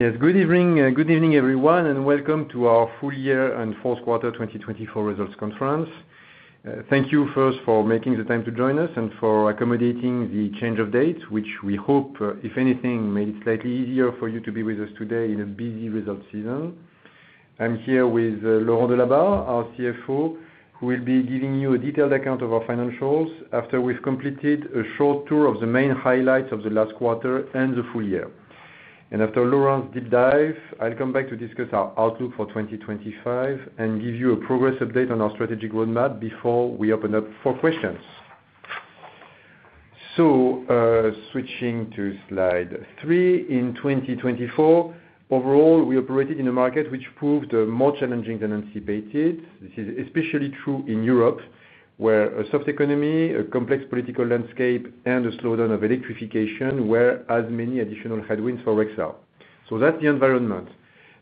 Yes, good evening, good evening everyone, and welcome to our full year and fourth quarter 2024 results conference. Thank you first for making the time to join us and for accommodating the change of date, which we hope, if anything, made it slightly easier for you to be with us today in a busy results season. I'm here with Laurent Delabar, our CFO, who will be giving you a detailed account of our financials after we've completed a short tour of the main highlights of the last quarter and the full year. And after Laurent's deep dive, I'll come back to discuss our outlook for 2025 and give you a progress update on our strategic roadmap before we open up for questions. So, switching to slide three, in 2024, overall, we operated in a market which proved more challenging than anticipated. This is especially true in Europe, where a soft economy, a complex political landscape, and a slowdown of electrification were as many additional headwinds for Rexel. So that's the environment.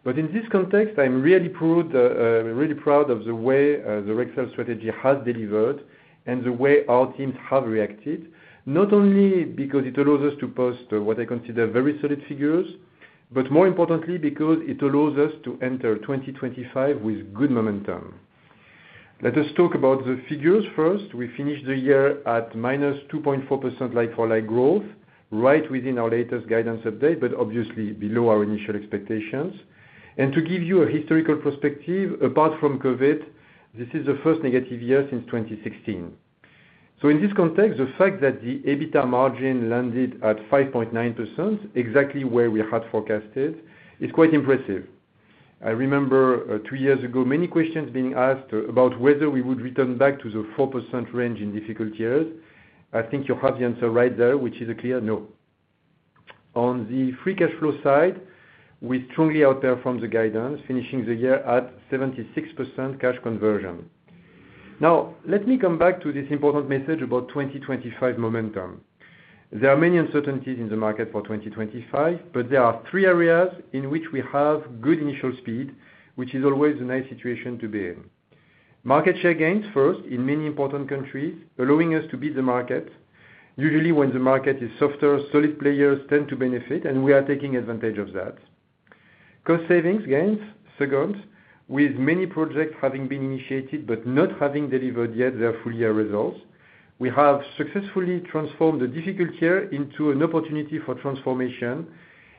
But in this context, I'm really proud, really proud of the way, the Rexel strategy has delivered and the way our teams have reacted, not only because it allows us to post, what I consider very solid figures, but more importantly, because it allows us to enter 2025 with good momentum. Let us talk about the figures first. We finished the year at minus 2.4% line-for-line growth, right within our latest guidance update, but obviously below our initial expectations. And to give you a historical perspective, apart from COVID, this is the first negative year since 2016. So in this context, the fact that the EBITDA margin landed at 5.9%, exactly where we had forecasted, is quite impressive. I remember, two years ago, many questions being asked, about whether we would return back to the 4% range in difficult years. I think you have the answer right there, which is a clear no. On the free cash flow side, we strongly outperformed the guidance, finishing the year at 76% cash conversion. Now, let me come back to this important message about 2025 momentum. There are many uncertainties in the market for 2025, but there are three areas in which we have good initial speed, which is always a nice situation to be in. Market share gains, first, in many important countries, allowing us to beat the market. Usually, when the market is softer, solid players tend to benefit, and we are taking advantage of that. Cost savings gains, second, with many projects having been initiated but not having delivered yet their full-year results. We have successfully transformed the difficult year into an opportunity for transformation,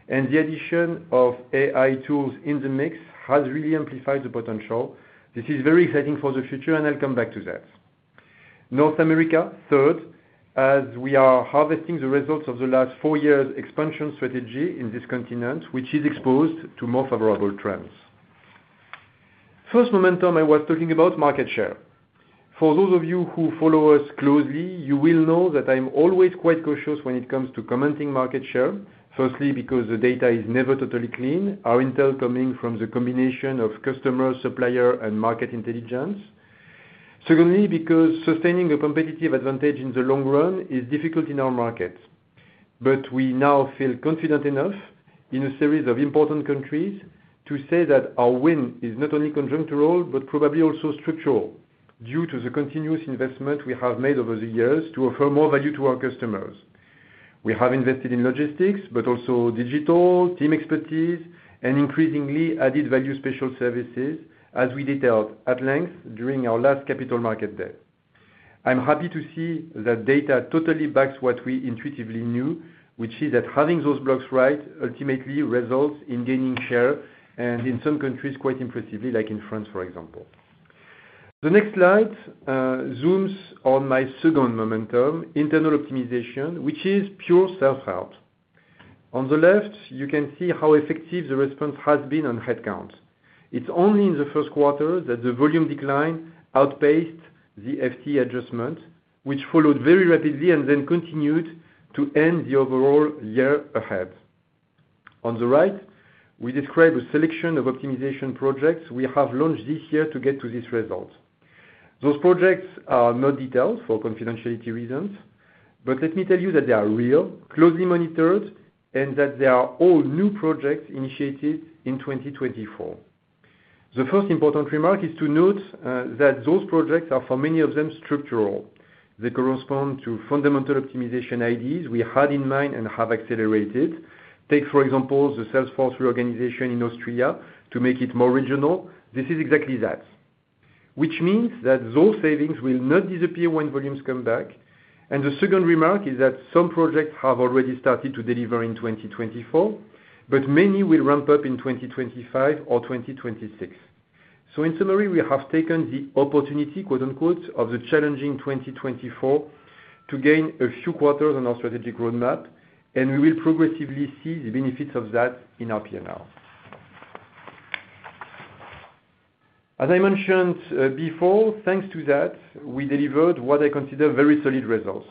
and the addition of AI tools in the mix has really amplified the potential. This is very exciting for the future, and I'll come back to that. North America, third, as we are harvesting the results of the last four years' expansion strategy in this continent, which is exposed to more favorable trends. First momentum I was talking about, market share. For those of you who follow us closely, you will know that I'm always quite cautious when it comes to commenting market share, firstly because the data is never totally clean, our intel coming from the combination of customer, supplier, and market intelligence. Secondly, because sustaining a competitive advantage in the long run is difficult in our market. But we now feel confident enough, in a series of important countries, to say that our win is not only conjunctural but probably also structural, due to the continuous investment we have made over the years to offer more value to our customers. We have invested in logistics but also digital, team expertise, and increasingly added value special services, as we detailed at length during our last capital market day. I'm happy to see that data totally backs what we intuitively knew, which is that having those blocks right ultimately results in gaining share and, in some countries, quite impressively, like in France, for example. The next slide zooms on my second momentum, internal optimization, which is pure self-help. On the left, you can see how effective the response has been on headcount. It's only in the first quarter that the volume decline outpaced the FT adjustment, which followed very rapidly and then continued to end the overall year ahead. On the right, we describe a selection of optimization projects we have launched this year to get to this result. Those projects are not detailed for confidentiality reasons, but let me tell you that they are real, closely monitored, and that they are all new projects initiated in 2024. The first important remark is to note that those projects are, for many of them, structural. They correspond to fundamental optimization ideas we had in mind and have accelerated. Take, for example, the Salesforce reorganization in Austria to make it more regional. This is exactly that, which means that those savings will not disappear when volumes come back. The second remark is that some projects have already started to deliver in 2024, but many will ramp up in 2025 or 2026. In summary, we have taken the opportunity, quote-unquote, of the challenging 2024 to gain a few quarters on our strategic roadmap, and we will progressively see the benefits of that in our P&L. As I mentioned before, thanks to that, we delivered what I consider very solid results.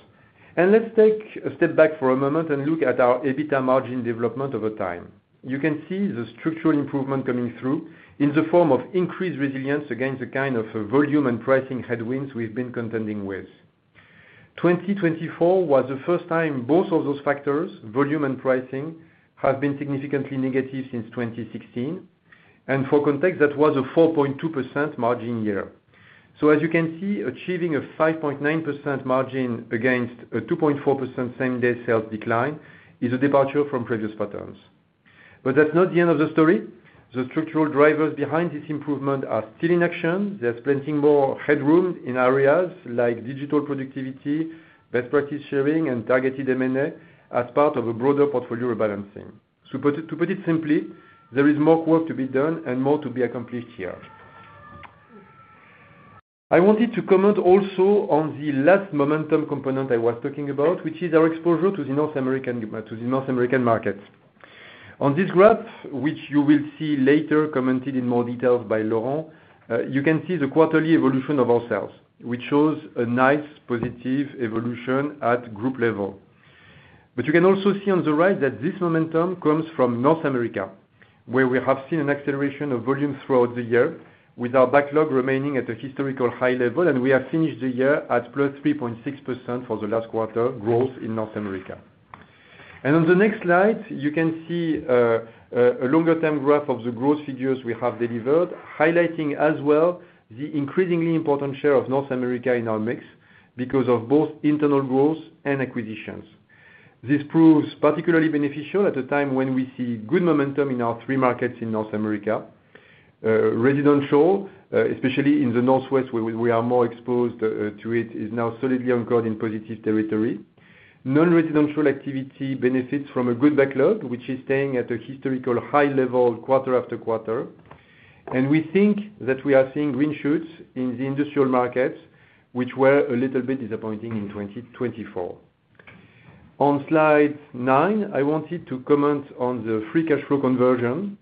Let's take a step back for a moment and look at our EBITDA margin development over time. You can see the structural improvement coming through in the form of increased resilience against the kind of volume and pricing headwinds we've been contending with. 2024 was the first time both of those factors, volume and pricing, have been significantly negative since 2016. For context, that was a 4.2% margin year. As you can see, achieving a 5.9% margin against a 2.4% same-day sales decline is a departure from previous patterns. But that's not the end of the story. The structural drivers behind this improvement are still in action. They're creating more headroom in areas like digital productivity, best practice sharing, and targeted M&A as part of a broader portfolio rebalancing. To put it simply, there is more work to be done and more to be accomplished here. I wanted to comment also on the last momentum component I was talking about, which is our exposure to the North American market. On this graph, which you will see later commented in more detail by Laurent, you can see the quarterly evolution of our sales, which shows a nice positive evolution at group level. But you can also see on the right that this momentum comes from North America, where we have seen an acceleration of volume throughout the year, with our backlog remaining at a historical high level, and we have finished the year at plus 3.6% for the last quarter growth in North America. On the next slide, you can see a longer-term graph of the growth figures we have delivered, highlighting as well the increasingly important share of North America in our mix because of both internal growth and acquisitions. This proves particularly beneficial at a time when we see good momentum in our three markets in North America. Residential, especially in the Northwest where we are more exposed to it, is now solidly anchored in positive territory. Non-residential activity benefits from a good backlog, which is staying at a historical high level quarter after quarter. And we think that we are seeing green shoots in the industrial markets, which were a little bit disappointing in 2024. On slide nine, I wanted to comment on the free cash flow conversion.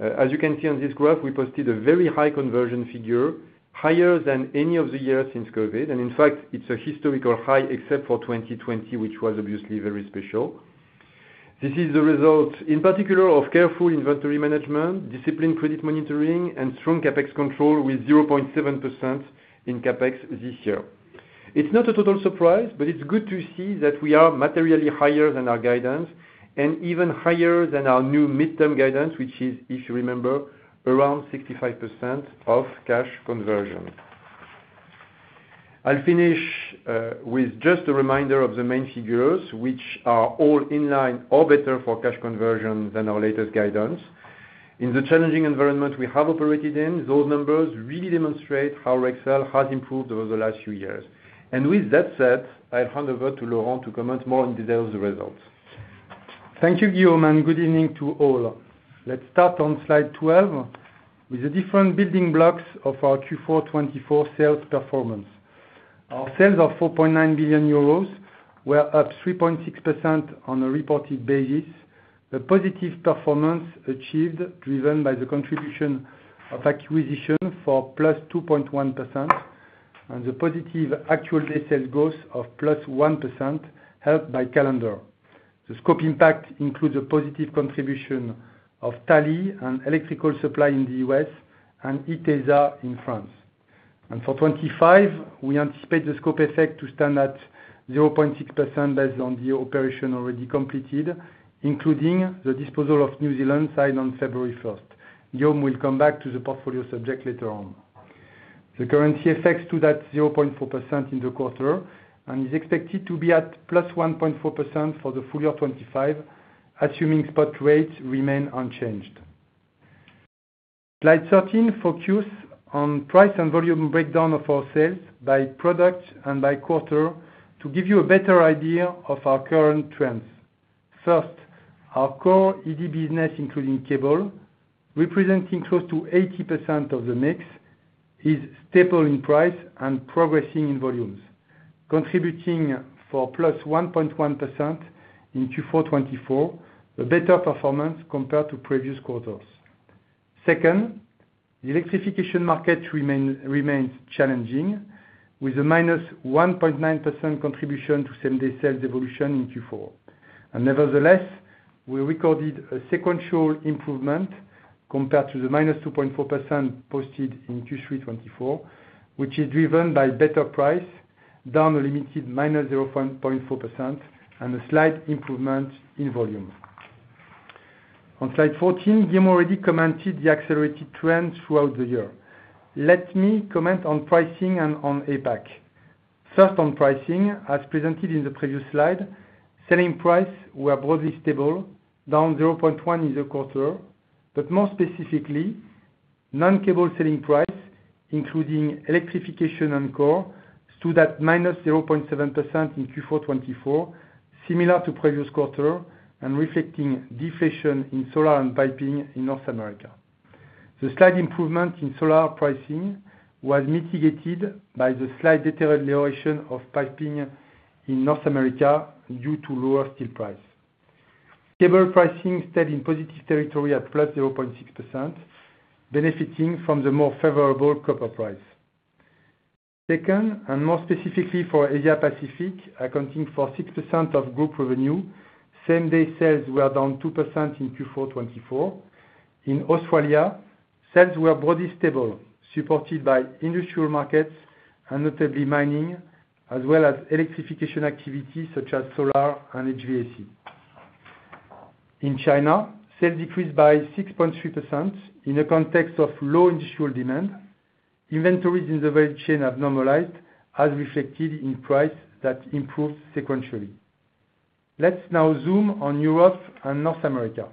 As you can see on this graph, we posted a very high conversion figure, higher than any of the years since COVID. And in fact, it's a historical high except for 2020, which was obviously very special. This is the result, in particular, of careful inventory management, disciplined credit monitoring, and strong CapEx control, with 0.7% in CapEx this year. It's not a total surprise, but it's good to see that we are materially higher than our guidance and even higher than our new midterm guidance, which is, if you remember, around 65% of cash conversion. I'll finish with just a reminder of the main figures, which are all in line or better for cash conversion than our latest guidance. In the challenging environment we have operated in, those numbers really demonstrate how Rexel has improved over the last few years. With that said, I'll hand over to Laurent to comment more in detail on the results. Thank you, Guillaume, and good evening to all. Let's start on slide 12 with the different building blocks of our Q4 2024 sales performance. Our sales of 4.9 billion euros were up 3.6% on a reported basis, a positive performance achieved driven by the contribution of acquisition for +2.1% and the positive same-day sales growth of +1%, helped by calendar. The scope impact includes a positive contribution of Talley and Electrical Supplies in the U.S. and Itesa in France. For 2025, we anticipate the scope effect to stand at 0.6% based on the operation already completed, including the disposal of New Zealand side on February 1st. Guillaume will come back to the portfolio subject later on. The currency effects to that 0.4% in the quarter and is expected to be at plus 1.4% for the full year 2025, assuming spot rates remain unchanged. Slide 13 focuses on price and volume breakdown of our sales by product and by quarter to give you a better idea of our current trends. First, our core ED business, including cable, representing close to 80% of the mix, is stable in price and progressing in volumes, contributing for plus 1.1% in Q4 2024, a better performance compared to previous quarters. Second, the electrification market remains challenging, with a minus 1.9% contribution to same-day sales evolution in Q4. Nevertheless, we recorded a sequential improvement compared to the -2.4% posted in Q3 2024, which is driven by better pricing down a limited -0.4% and a slight improvement in volume. On slide 14, Guillaume already commented on the accelerated trend throughout the year. Let me comment on pricing and on APAC. First, on pricing, as presented in the previous slide, selling prices were broadly stable, down 0.1% in the quarter. But more specifically, non-cable selling prices, including electrification and core, stood at -0.7% in Q4 2024, similar to previous quarter and reflecting deflation in solar and piping in North America. The slight improvement in solar pricing was mitigated by the slight deterioration of piping in North America due to lower steel price. Cable pricing stayed in positive territory at +0.6%, benefiting from the more favorable copper price. Second, and more specifically for Asia-Pacific, accounting for 6% of group revenue, same-day sales were down 2% in Q4 2024. In Australia, sales were broadly stable, supported by industrial markets, and notably mining, as well as electrification activity such as solar and HVAC. In China, sales decreased by 6.3% in a context of low industrial demand. Inventories in the value chain have normalized, as reflected in prices that improved sequentially. Let's now zoom on Europe and North America.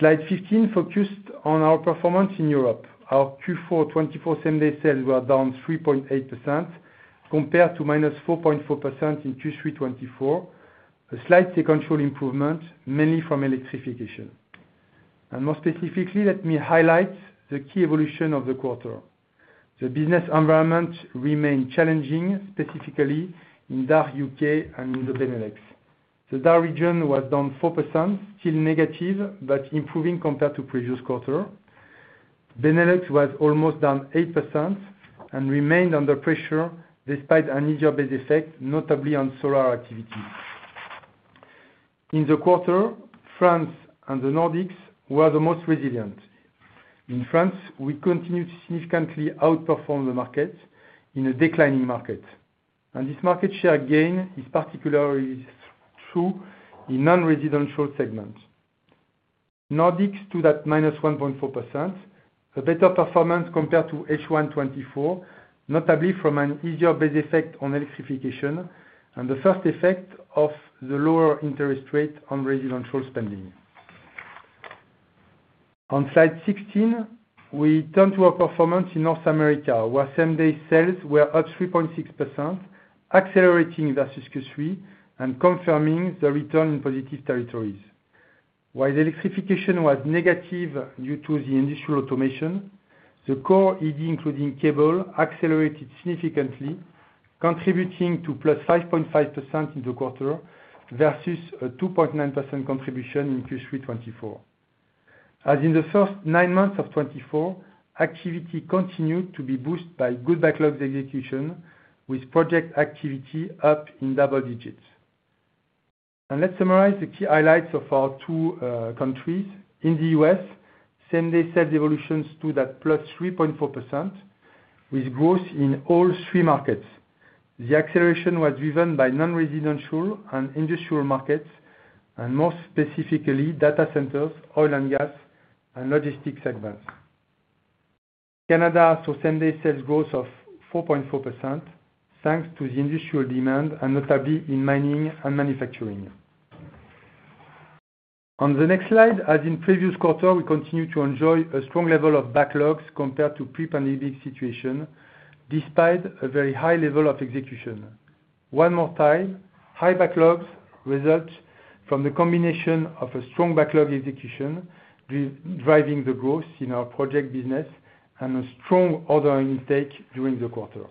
Slide 15 focused on our performance in Europe. Our Q4 2024 same-day sales were down 3.8% compared to minus 4.4% in Q3 2024, a slight sequential improvement mainly from electrification. And more specifically, let me highlight the key evolution of the quarter. The business environment remained challenging, specifically in DACH UK and in the Benelux. The DACH region was down 4%, still negative but improving compared to previous quarter. Benelux was almost down 8% and remained under pressure despite an idea-based effect, notably on solar activity. In the quarter, France and the Nordics were the most resilient. In France, we continued to significantly outperform the market in a declining market, and this market share gain is particularly true in non-residential segments. Nordics stood at minus 1.4%, a better performance compared to H1 2024, notably from an easier base effect on electrification and the first effect of the lower interest rate on residential spending. On slide 16, we turn to our performance in North America, where same-day sales were up 3.6%, accelerating versus Q3 and confirming the return in positive territories. While electrification was negative due to the industrial automation, the core ED, including cable, accelerated significantly, contributing to plus 5.5% in the quarter versus a 2.9% contribution in Q3 2024. As in the first nine months of 2024, activity continued to be boosted by good backlog execution, with project activity up in double digits. Let's summarize the key highlights of our two countries. In the U.S., same-day sales evolution stood at plus 3.4%, with growth in all three markets. The acceleration was driven by non-residential and industrial markets, and more specifically, data centers, oil and gas, and logistics segments. Canada saw same-day sales growth of 4.4% thanks to the industrial demand, and notably in mining and manufacturing. On the next slide, as in previous quarter, we continue to enjoy a strong level of backlogs compared to pre-pandemic situation, despite a very high level of execution. One more time, high backlogs result from the combination of a strong backlog execution driving the growth in our project business and a strong order intake during the quarter.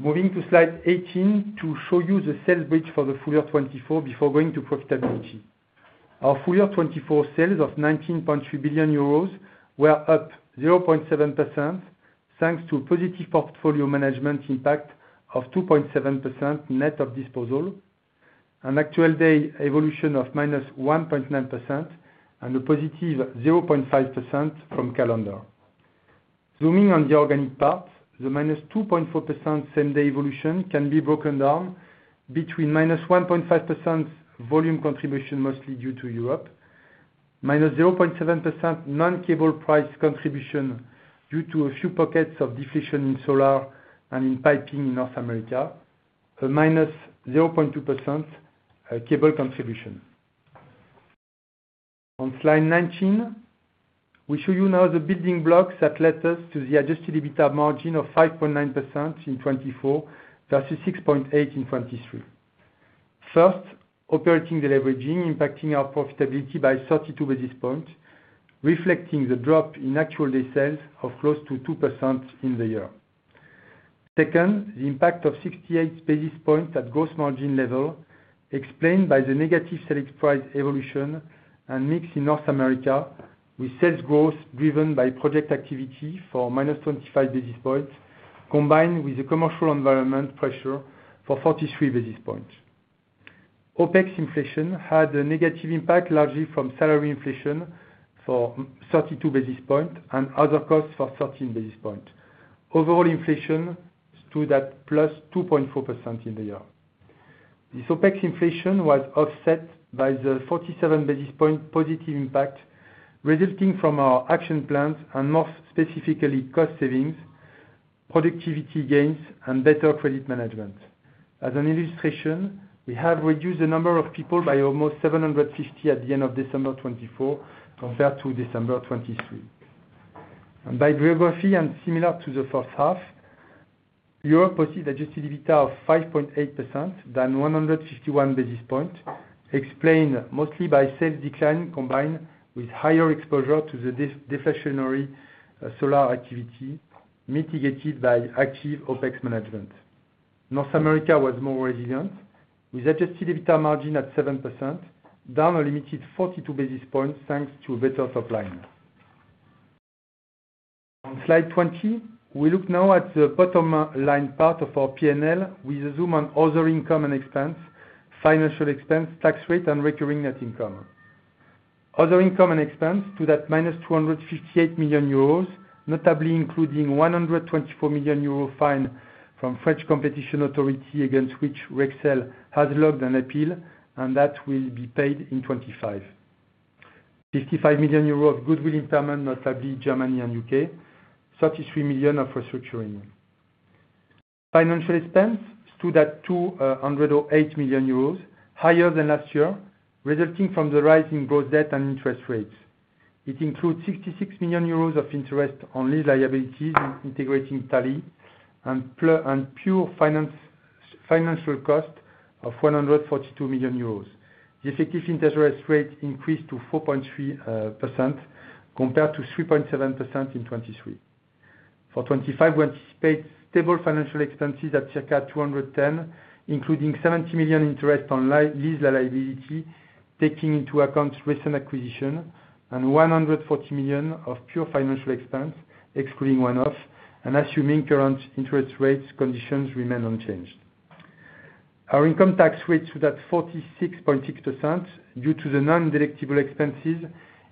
Moving to slide 18 to show you the sales bridge for the full year 2024 before going to profitability. Our full year 2024 sales of €19.3 billion were up 0.7% thanks to a positive portfolio management impact of 2.7% net of disposal, an actual day evolution of minus 1.9%, and a positive 0.5% from calendar. Zooming on the organic part, the minus 2.4% same-day evolution can be broken down between minus 1.5% volume contribution, mostly due to Europe, minus 0.7% non-cable price contribution due to a few pockets of deflation in solar and in piping in North America, a minus 0.2% cable contribution. On slide 19, we show you now the building blocks that led us to the adjusted EBITDA margin of 5.9% in 2024 versus 6.8% in 2023. First, operating leverage impacting our profitability by 32 basis points, reflecting the drop in same-day sales of close to 2% in the year. Second, the impact of 68 basis points at gross margin level, explained by the negative selling price evolution and mix in North America, with sales growth driven by project activity for minus 25 basis points, combined with the commercial environment pressure for 43 basis points. OpEx inflation had a negative impact, largely from salary inflation for 32 basis points and other costs for 13 basis points. Overall inflation stood at plus 2.4% in the year. This OpEx inflation was offset by the 47 basis point positive impact resulting from our action plans and more specifically cost savings, productivity gains, and better credit management. As an illustration, we have reduced the number of people by almost 750 at the end of December 2024 compared to December 2023. And by geography and similar to the first half, Europe posted Adjusted EBITDA of 5.8%, then 151 basis points, explained mostly by sales decline combined with higher exposure to the deflationary solar activity mitigated by active OpEx management. North America was more resilient, with Adjusted EBITDA margin at 7%, down a limited 42 basis points thanks to a better top line. On Slide 20, we look now at the bottom line part of our P&L with a zoom on other income and expense, financial expense, tax rate, and Recurring Net Income. Other income and expense stood at minus 258 million euros, notably including 124 million euro fine from French Competition Authority against which Rexel has logged an appeal, and that will be paid in 2025. €55 million of goodwill impairment, notably Germany and UK, €33 million of restructuring. Financial expense stood at €208 million, higher than last year, resulting from the rising gross debt and interest rates. It includes €66 million of interest on lease liabilities integrating Talley and pure financial cost of €142 million. The effective interest rate increased to 4.3% compared to 3.7% in 2023. For 2025, we anticipate stable financial expenses at circa €210 million, including €70 million interest on lease liability taking into account recent acquisition and €140 million of pure financial expense, excluding one-off, and assuming current interest rate conditions remain unchanged. Our income tax rate stood at 46.6% due to the non-deductible expenses,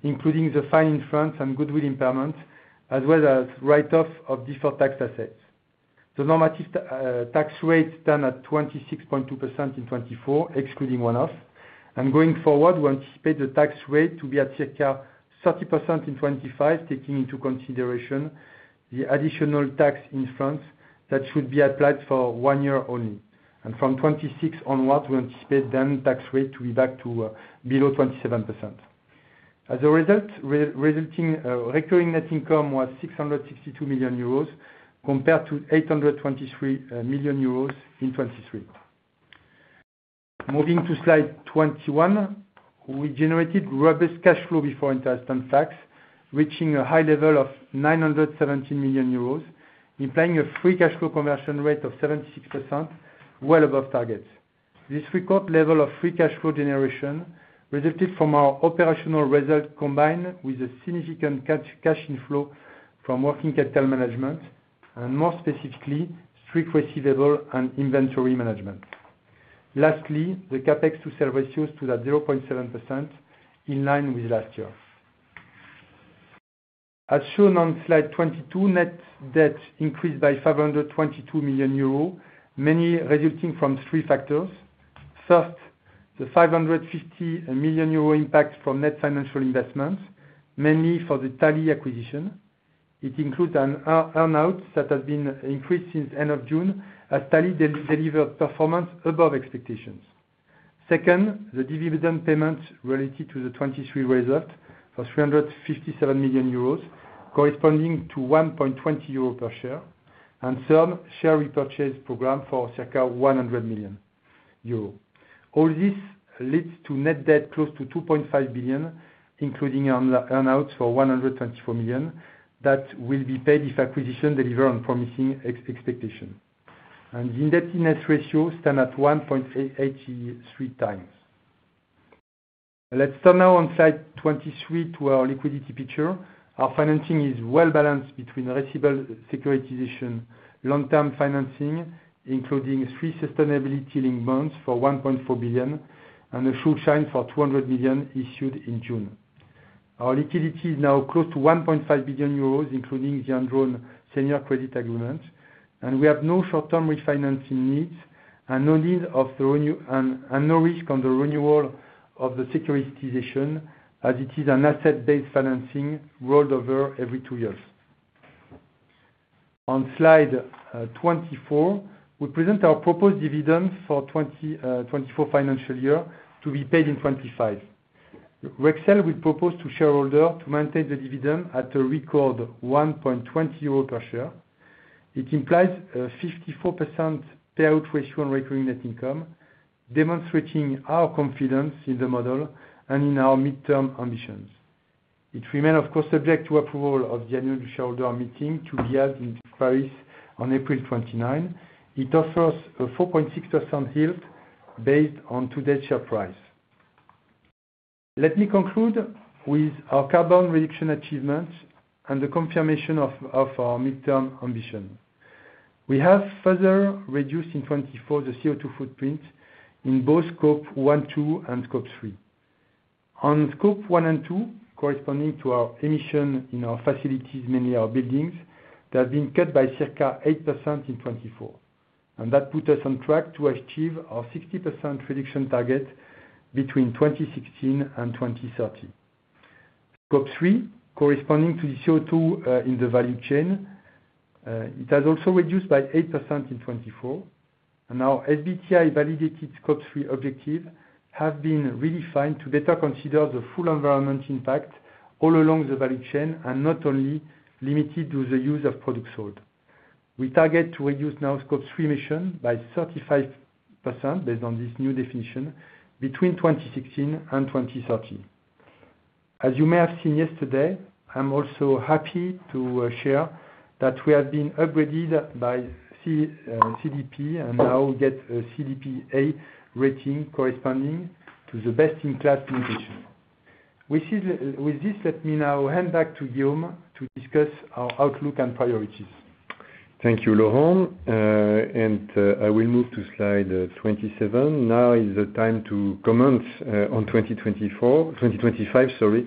including the fine in France and goodwill impairment, as well as write-off of deferred tax assets. The normative tax rate stands at 26.2% in 2024, excluding one-off. Going forward, we anticipate the tax rate to be at circa 30% in 2025, taking into consideration the additional tax in France that should be applied for one year only. From 2026 onward, we anticipate the tax rate to be back to below 27%. As a result, recurring net income was €662 million compared to €823 million in 2023. Moving to slide 21, we generated robust cash flow before interest and tax, reaching a high level of €917 million, implying a free cash flow conversion rate of 76%, well above targets. This record level of free cash flow generation resulted from our operational result combined with a significant cash inflow from working capital management, and more specifically, strict receivable and inventory management. Lastly, the CapEx to sales ratio stood at 0.7%, in line with last year. As shown on slide 22, net debt increased by 522 million euros, mainly resulting from three factors. First, the 550 million euro impact from net financial investments, mainly for the Talley acquisition. It includes an earnout that has been increased since the end of June, as Talley delivered performance above expectations. Second, the dividend payments related to the 2023 result for 357 million euros, corresponding to 1.20 euro per share, and third, share repurchase program for circa 100 million euro. All this leads to net debt close to 2.5 billion, including earnouts for 124 million that will be paid if acquisition delivers on promising expectations. The indebtedness ratio stands at 1.83 times. Let's turn now to slide 23 to our liquidity picture. Our financing is well balanced between receivable securitization, long-term financing, including three sustainability-linked bonds for 1.4 billion, and a Schuldschein for 200 million issued in June. Our liquidity is now close to €1.5 billion, including the undrawn senior credit agreement. And we have no short-term refinancing needs, and no need of the renewal, and no risk on the renewal of the securitization, as it is an asset-based financing rolled over every two years. On slide 24, we present our proposed dividend for 2024 financial year to be paid in 2025. Rexel will propose to shareholders to maintain the dividend at a record €1.20 per share. It implies a 54% payout ratio on recurring net income, demonstrating our confidence in the model and in our midterm ambitions. It remains, of course, subject to approval of the annual shareholder meeting to be held in Paris on April 29. It offers a 4.6% yield based on today's share price. Let me conclude with our carbon reduction achievements and the confirmation of our midterm ambition. We have further reduced in 2024 the CO2 footprint in both Scope 1, 2, and Scope 3. On Scope 1 and 2, corresponding to our emissions in our facilities, mainly our buildings, they have been cut by circa 8% in 2024, and that put us on track to achieve our 60% reduction target between 2016 and 2030. Scope 3, corresponding to the CO2 in the value chain, it has also reduced by 8% in 2024, and our SBTI validated Scope 3 objective has been redefined to better consider the full environmental impact all along the value chain and not only limited to the use of products sold. We target to reduce now Scope 3 emissions by 35% based on this new definition between 2016 and 2030. As you may have seen yesterday, I'm also happy to share that we have been upgraded by CDP and now get a CDP A rating corresponding to the best-in-class innovation. With this, let me now hand back to Guillaume to discuss our outlook and priorities. Thank you, Laurent. I will move to slide 27. Now is the time to comment on 2024, 2025, sorry,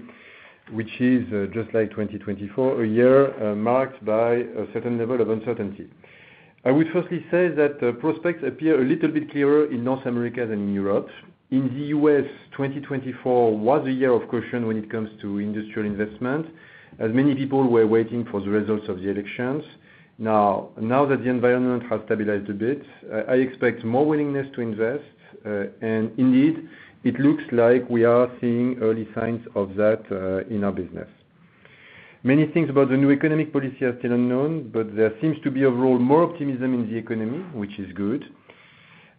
which is just like 2024, a year marked by a certain level of uncertainty. I would firstly say that prospects appear a little bit clearer in North America than in Europe. In the US, 2024 was a year of caution when it comes to industrial investment, as many people were waiting for the results of the elections. Now that the environment has stabilized a bit, I expect more willingness to invest. And indeed, it looks like we are seeing early signs of that in our business. Many things about the new economic policy are still unknown, but there seems to be overall more optimism in the economy, which is good.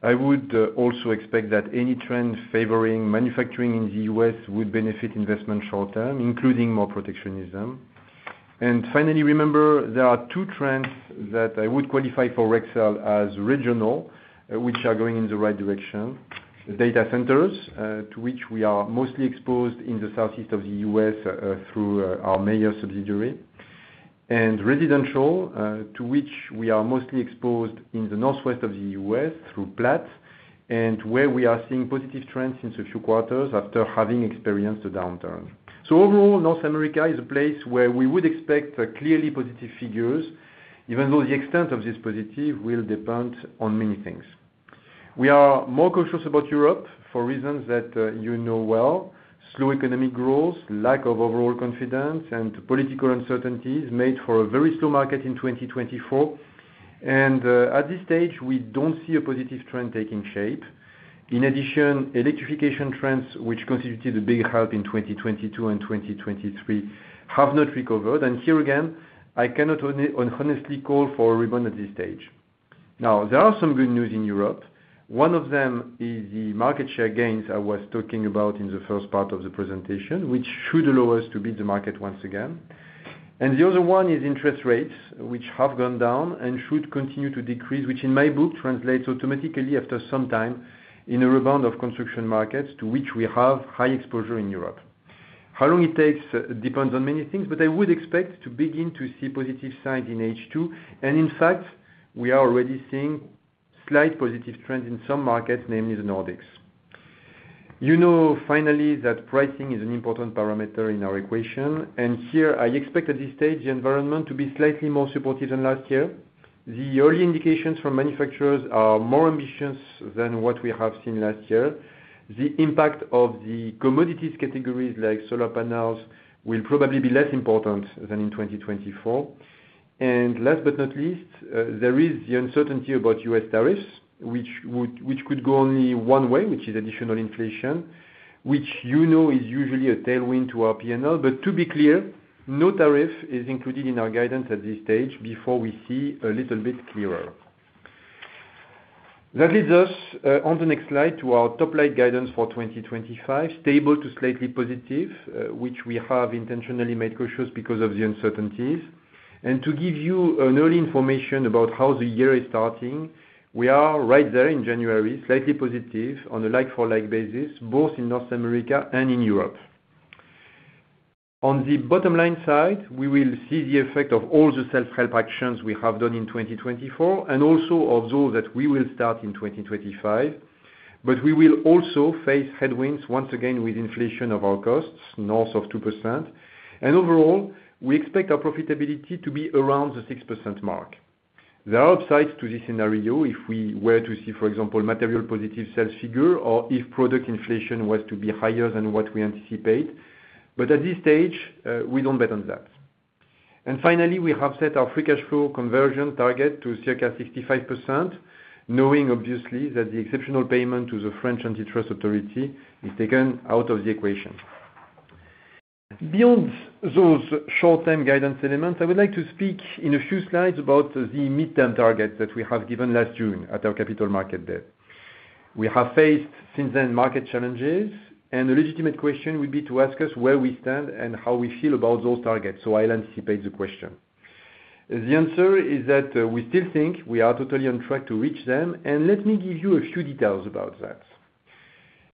I would also expect that any trend favoring manufacturing in the U.S. would benefit investment short term, including more protectionism, and finally, remember, there are two trends that I would qualify for Rexel as regional, which are going in the right direction: data centers, to which we are mostly exposed in the Southeast of the U.S. through our major subsidiary, and residential, to which we are mostly exposed in the Northwest of the U.S. through Platts and where we are seeing positive trends since a few quarters after having experienced a downturn, so overall, North America is a place where we would expect clearly positive figures, even though the extent of this positive will depend on many things. We are more cautious about Europe for reasons that you know well: slow economic growth, lack of overall confidence, and political uncertainties made for a very slow market in 2024, and at this stage, we don't see a positive trend taking shape. In addition, electrification trends, which constituted a big help in 2022 and 2023, have not recovered. And here again, I cannot honestly call for a rebound at this stage. Now, there are some good news in Europe. One of them is the market share gains I was talking about in the first part of the presentation, which should allow us to beat the market once again, and the other one is interest rates, which have gone down and should continue to decrease, which in my book translates automatically after some time into a rebound of construction markets to which we have high exposure in Europe. How long it takes depends on many things, but I would expect to begin to see positive signs in H2. And in fact, we are already seeing slight positive trends in some markets, namely the Nordics. You know finally that pricing is an important parameter in our equation. And here, I expect at this stage the environment to be slightly more supportive than last year. The early indications from manufacturers are more ambitious than what we have seen last year. The impact of the commodities categories like solar panels will probably be less important than in 2024. And last but not least, there is the uncertainty about U.S., tariffs, which could go only one way, which is additional inflation, which you know is usually a tailwind to our P&L. But to be clear, no tariff is included in our guidance at this stage before we see a little bit clearer. That leads us on the next slide to our top line guidance for 2025, stable to slightly positive, which we have intentionally made cautious because of the uncertainties. And to give you an early information about how the year is starting, we are right there in January, slightly positive on a like-for-like basis, both in North America and in Europe. On the bottom line side, we will see the effect of all the self-help actions we have done in 2024, and also of those that we will start in 2025. But we will also face headwinds once again with inflation of our costs, north of 2%. And overall, we expect our profitability to be around the 6% mark. There are upsides to this scenario if we were to see, for example, material positive sales figure or if product inflation was to be higher than what we anticipate. But at this stage, we don't bet on that. And finally, we have set our free cash flow conversion target to circa 65%, knowing obviously that the exceptional payment to the French antitrust authority is taken out of the equation. Beyond those short-term guidance elements, I would like to speak in a few slides about the mid-term targets that we have given last June at our Capital Markets Day. We have faced since then market challenges, and a legitimate question would be to ask us where we stand and how we feel about those targets. So I'll anticipate the question. The answer is that we still think we are totally on track to reach them. And let me give you a few details about that.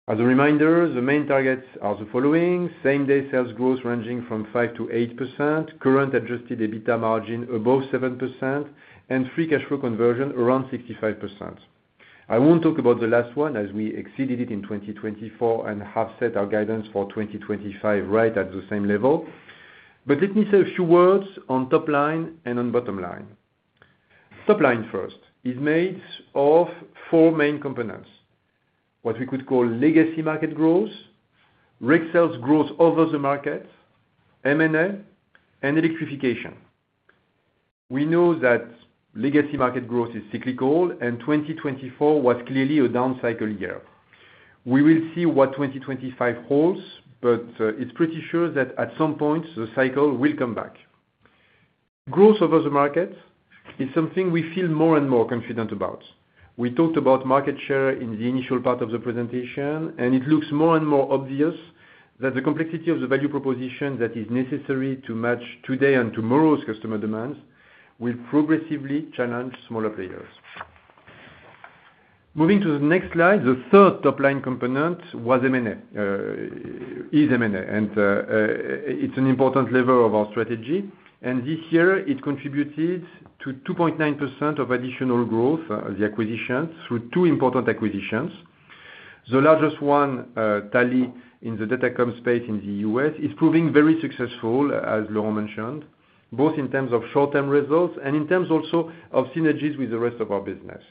As a reminder, the main targets are the following: same-day sales growth ranging from 5% to 8%, current Adjusted EBITDA margin above 7%, and Free Cash Flow conversion around 65%. I won't talk about the last one as we exceeded it in 2024 and have set our guidance for 2025 right at the same level. But let me say a few words on top line and on bottom line. Top line first is made of four main components: what we could call legacy market growth, Rexel's growth over the market, M&A, and electrification. We know that legacy market growth is cyclical, and 2024 was clearly a down cycle year. We will see what 2025 holds, but it's pretty sure that at some point, the cycle will come back. Growth over the market is something we feel more and more confident about. We talked about market share in the initial part of the presentation, and it looks more and more obvious that the complexity of the value proposition that is necessary to match today and tomorrow's customer demands will progressively challenge smaller players. Moving to the next slide, the third top line component was M&A, is M&A, and it's an important lever of our strategy. This year, it contributed to 2.9% of additional growth, the acquisitions, through two important acquisitions. The largest one, Talley, in the data comm space in the U.S., is proving very successful, as Laurent mentioned, both in terms of short-term results and in terms also of synergies with the rest of our business.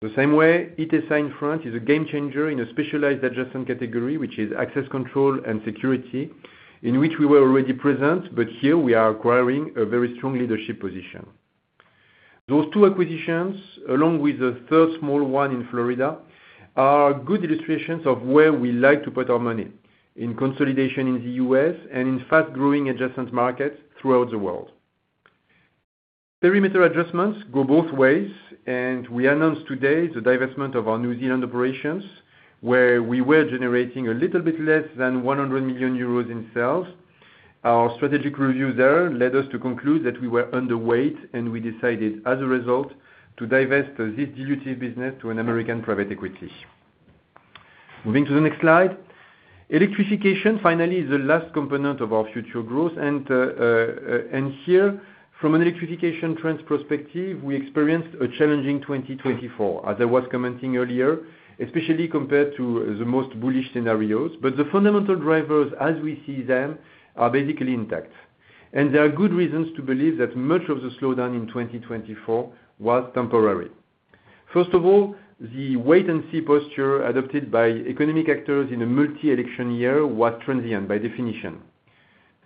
The same way, Itesa in front is a game changer in a specialized adjacent category, which is access control and security, in which we were already present, but here we are acquiring a very strong leadership position. Those two acquisitions, along with the third small one in Florida, are good illustrations of where we like to put our money, in consolidation in the U.S., and in fast-growing adjacent markets throughout the world. Perimeter adjustments go both ways, and we announced today the divestment of our New Zealand operations, where we were generating a little bit less than 100 million euros in sales. Our strategic review there led us to conclude that we were underweight, and we decided, as a result, to divest this dilutive business to an American private equity. Moving to the next slide, electrification finally is the last component of our future growth. Here, from an electrification trends perspective, we experienced a challenging 2024, as I was commenting earlier, especially compared to the most bullish scenarios. The fundamental drivers, as we see them, are basically intact. There are good reasons to believe that much of the slowdown in 2024 was temporary. First of all, the wait-and-see posture adopted by economic actors in a multi-election year was transient by definition.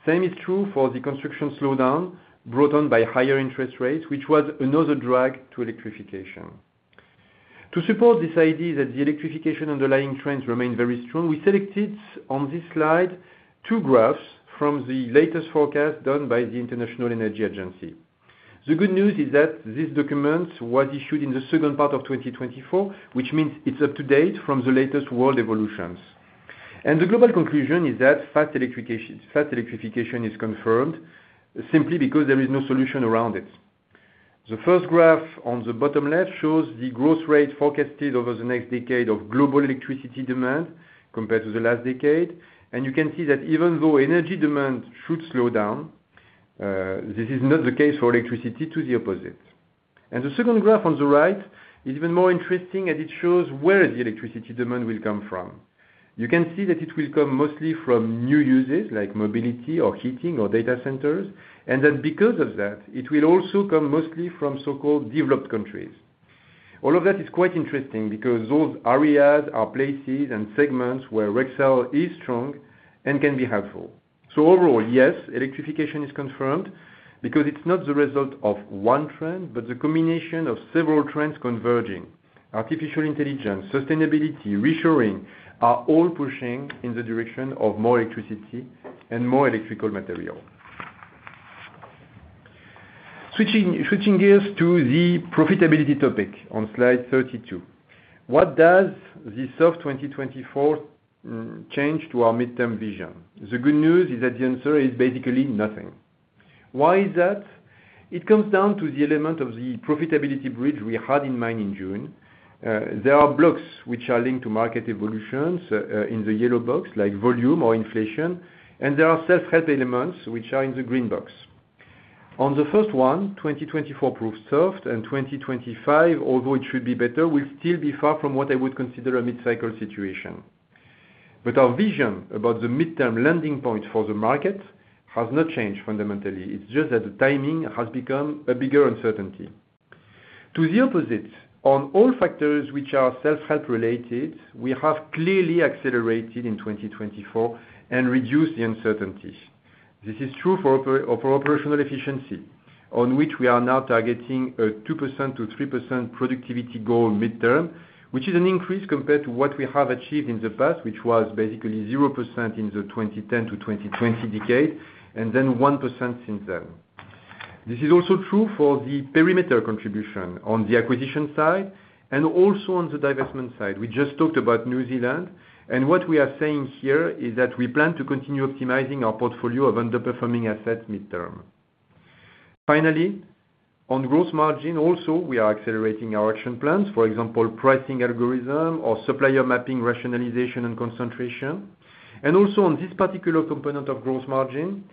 Same is true for the construction slowdown brought on by higher interest rates, which was another drag to electrification. To support this idea that the electrification underlying trends remain very strong, we selected on this slide two graphs from the latest forecast done by the International Energy Agency. The good news is that this document was issued in the second part of 2024, which means it's up to date from the latest world evolutions. The global conclusion is that fast electrification is confirmed simply because there is no solution around it. The first graph on the bottom left shows the growth rate forecasted over the next decade of global electricity demand compared to the last decade. You can see that even though energy demand should slow down, this is not the case for electricity, to the opposite. The second graph on the right is even more interesting as it shows where the electricity demand will come from. You can see that it will come mostly from new uses like mobility or heating or data centers, and that because of that, it will also come mostly from so-called developed countries. All of that is quite interesting because those areas are places and segments where Rexel is strong and can be helpful. So overall, yes, electrification is confirmed because it's not the result of one trend, but the combination of several trends converging: artificial intelligence, sustainability, reshoring are all pushing in the direction of more electricity and more electrical material. Switching gears to the profitability topic on slide 32. What does the soft 2024 change to our midterm vision? The good news is that the answer is basically nothing. Why is that? It comes down to the element of the profitability bridge we had in mind in June. There are blocks which are linked to market evolutions in the yellow box, like volume or inflation, and there are self-help elements which are in the green box. On the first one, 2024 proved soft, and 2025, although it should be better, will still be far from what I would consider a mid-cycle situation. But our vision about the midterm landing point for the market has not changed fundamentally. It's just that the timing has become a bigger uncertainty. To the opposite, on all factors which are self-help related, we have clearly accelerated in 2024 and reduced the uncertainty. This is true for operational efficiency, on which we are now targeting a 2% to 3% productivity goal midterm, which is an increase compared to what we have achieved in the past, which was basically 0% in the 2010-2020 decade and then 1% since then. This is also true for the perimeter contribution on the acquisition side and also on the divestment side. We just talked about New Zealand, and what we are saying here is that we plan to continue optimizing our portfolio of underperforming assets midterm. Finally, on gross margin, also, we are accelerating our action plans, for example, pricing algorithm or supplier mapping rationalization and concentration. And also, on this particular component of gross margin,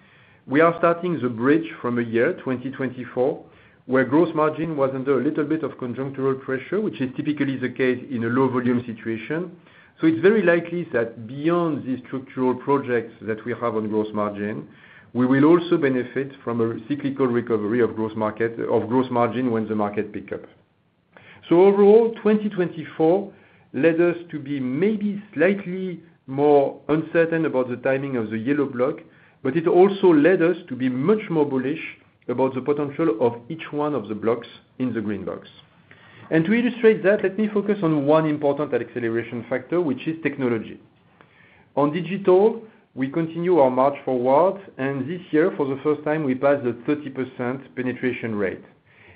we are starting the bridge from a year, 2024, where gross margin was under a little bit of conjunctural pressure, which is typically the case in a low-volume situation. So it's very likely that beyond these structural projects that we have on gross margin, we will also benefit from a cyclical recovery of gross margin when the market picks up. So overall, 2024 led us to be maybe slightly more uncertain about the timing of the yellow block, but it also led us to be much more bullish about the potential of each one of the blocks in the green box. And to illustrate that, let me focus on one important acceleration factor, which is technology. On digital, we continue our march forward, and this year, for the first time, we passed the 30% penetration rate,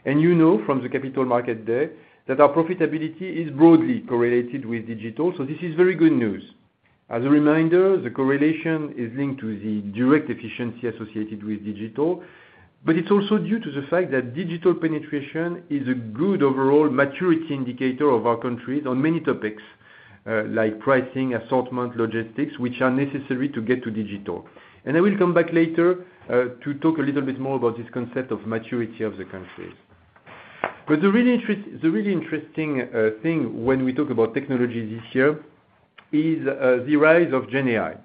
and you know from the capital market day that our profitability is broadly correlated with digital, so this is very good news. As a reminder, the correlation is linked to the direct efficiency associated with digital, but it's also due to the fact that digital penetration is a good overall maturity indicator of our countries on many topics like pricing, assortment, logistics, which are necessary to get to digital, and I will come back later to talk a little bit more about this concept of maturity of the countries, but the really interesting thing when we talk about technology this year is the rise of GenAI.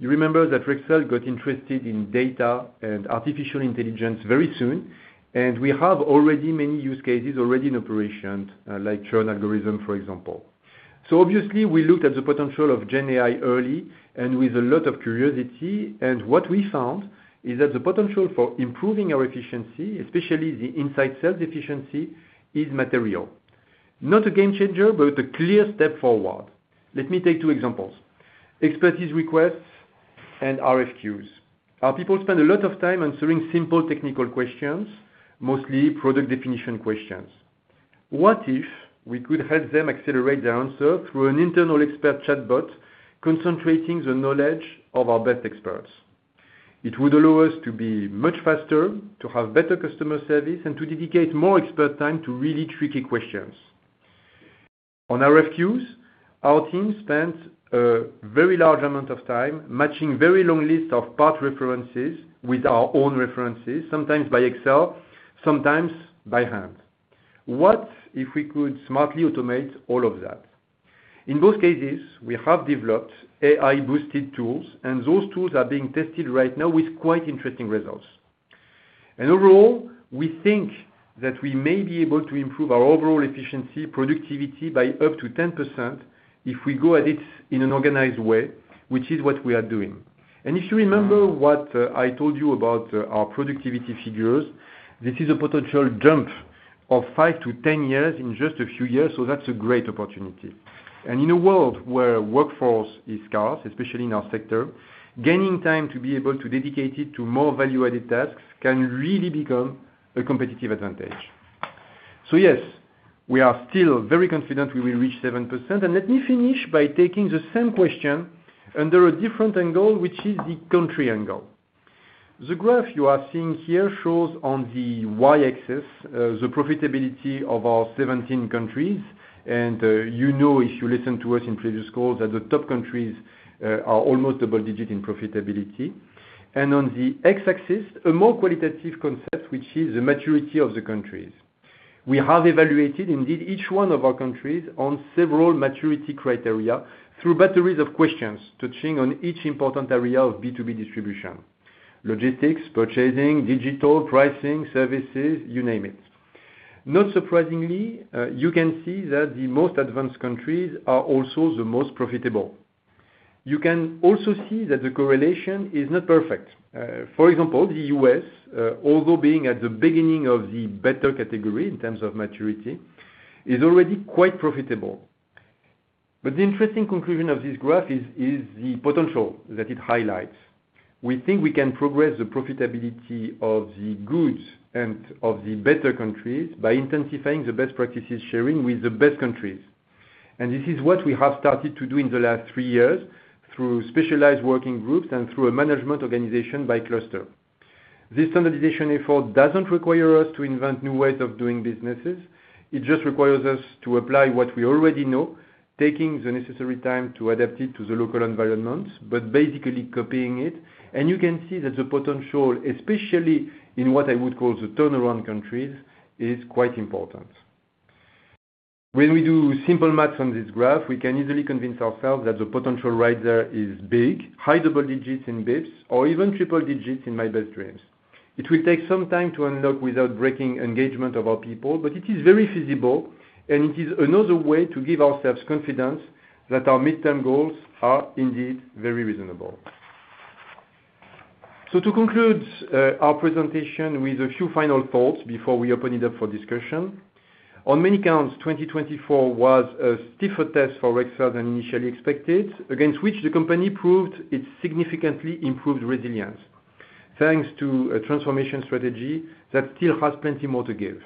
You remember that Rexel got interested in data and artificial intelligence very soon, and we have already many use cases in operation, like churn algorithm, for example, so obviously, we looked at the potential of GenAI early and with a lot of curiosity, and what we found is that the potential for improving our efficiency, especially the inside sales efficiency, is material. Not a game changer, but a clear step forward. Let me take two examples: expertise requests and RFQs. Our people spend a lot of time answering simple technical questions, mostly product definition questions. What if we could help them accelerate their answer through an internal expert chatbot concentrating the knowledge of our best experts? It would allow us to be much faster, to have better customer service, and to dedicate more expert time to really tricky questions. On RFQs, our team spent a very large amount of time matching very long lists of part references with our own references, sometimes by Excel, sometimes by hand. What if we could smartly automate all of that? In both cases, we have developed AI-boosted tools, and those tools are being tested right now with quite interesting results. Overall, we think that we may be able to improve our overall efficiency, productivity by up to 10% if we go at it in an organized way, which is what we are doing. If you remember what I told you about our productivity figures, this is a potential jump of 5 years to 10 years in just a few years, so that's a great opportunity. In a world where workforce is scarce, especially in our sector, gaining time to be able to dedicate it to more value-added tasks can really become a competitive advantage. Yes, we are still very confident we will reach 7%. Let me finish by taking the same question under a different angle, which is the country angle. The graph you are seeing here shows on the Y-axis the profitability of our 17 countries. You know, if you listen to us in previous calls, that the top countries are almost double-digit in profitability. On the X-axis, a more qualitative concept, which is the maturity of the countries. We have evaluated, indeed, each one of our countries on several maturity criteria through batteries of questions touching on each important area of B2B distribution: logistics, purchasing, digital, pricing, services, you name it. Not surprisingly, you can see that the most advanced countries are also the most profitable. You can also see that the correlation is not perfect. For example, the U.S., although being at the beginning of the better category in terms of maturity, is already quite profitable. But the interesting conclusion of this graph is the potential that it highlights. We think we can progress the profitability of the goods and of the better countries by intensifying the best practices sharing with the best countries. And this is what we have started to do in the last three years through specialized working groups and through a management organization by cluster. This standardization effort doesn't require us to invent new ways of doing businesses. It just requires us to apply what we already know, taking the necessary time to adapt it to the local environments, but basically copying it. You can see that the potential, especially in what I would call the turnaround countries, is quite important. When we do simple math on this graph, we can easily convince ourselves that the potential right there is big, high double digits in basis points, or even triple digits in my best dreams. It will take some time to unlock without breaking engagement of our people, but it is very feasible, and it is another way to give ourselves confidence that our midterm goals are indeed very reasonable. To conclude our presentation with a few final thoughts before we open it up for discussion, on many counts, 2024 was a stiffer test for Rexel than initially expected, against which the company proved its significantly improved resilience, thanks to a transformation strategy that still has plenty more to give.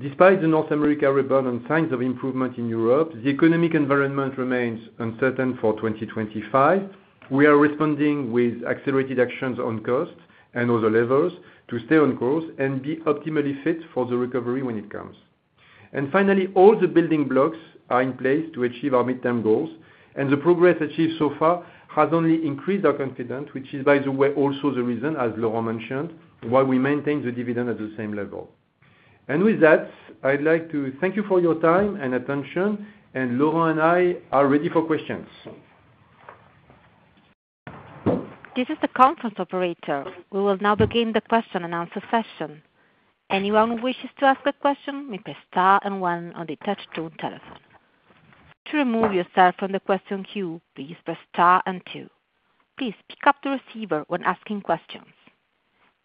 Despite the North America rebound and signs of improvement in Europe, the economic environment remains uncertain for 2025. We are responding with accelerated actions on cost and other levels to stay on course and be optimally fit for the recovery when it comes. And finally, all the building blocks are in place to achieve our midterm goals, and the progress achieved so far has only increased our confidence, which is, by the way, also the reason, as Laurent mentioned, why we maintain the dividend at the same level. And with that, I'd like to thank you for your time and attention, and Laurent and I are ready for questions. This is the conference operator. We will now begin the question and answer session. Anyone who wishes to ask a question may press star and one on the touch-tone telephone. To remove yourself from the question queue, please press star and two. Please pick up the receiver when asking questions.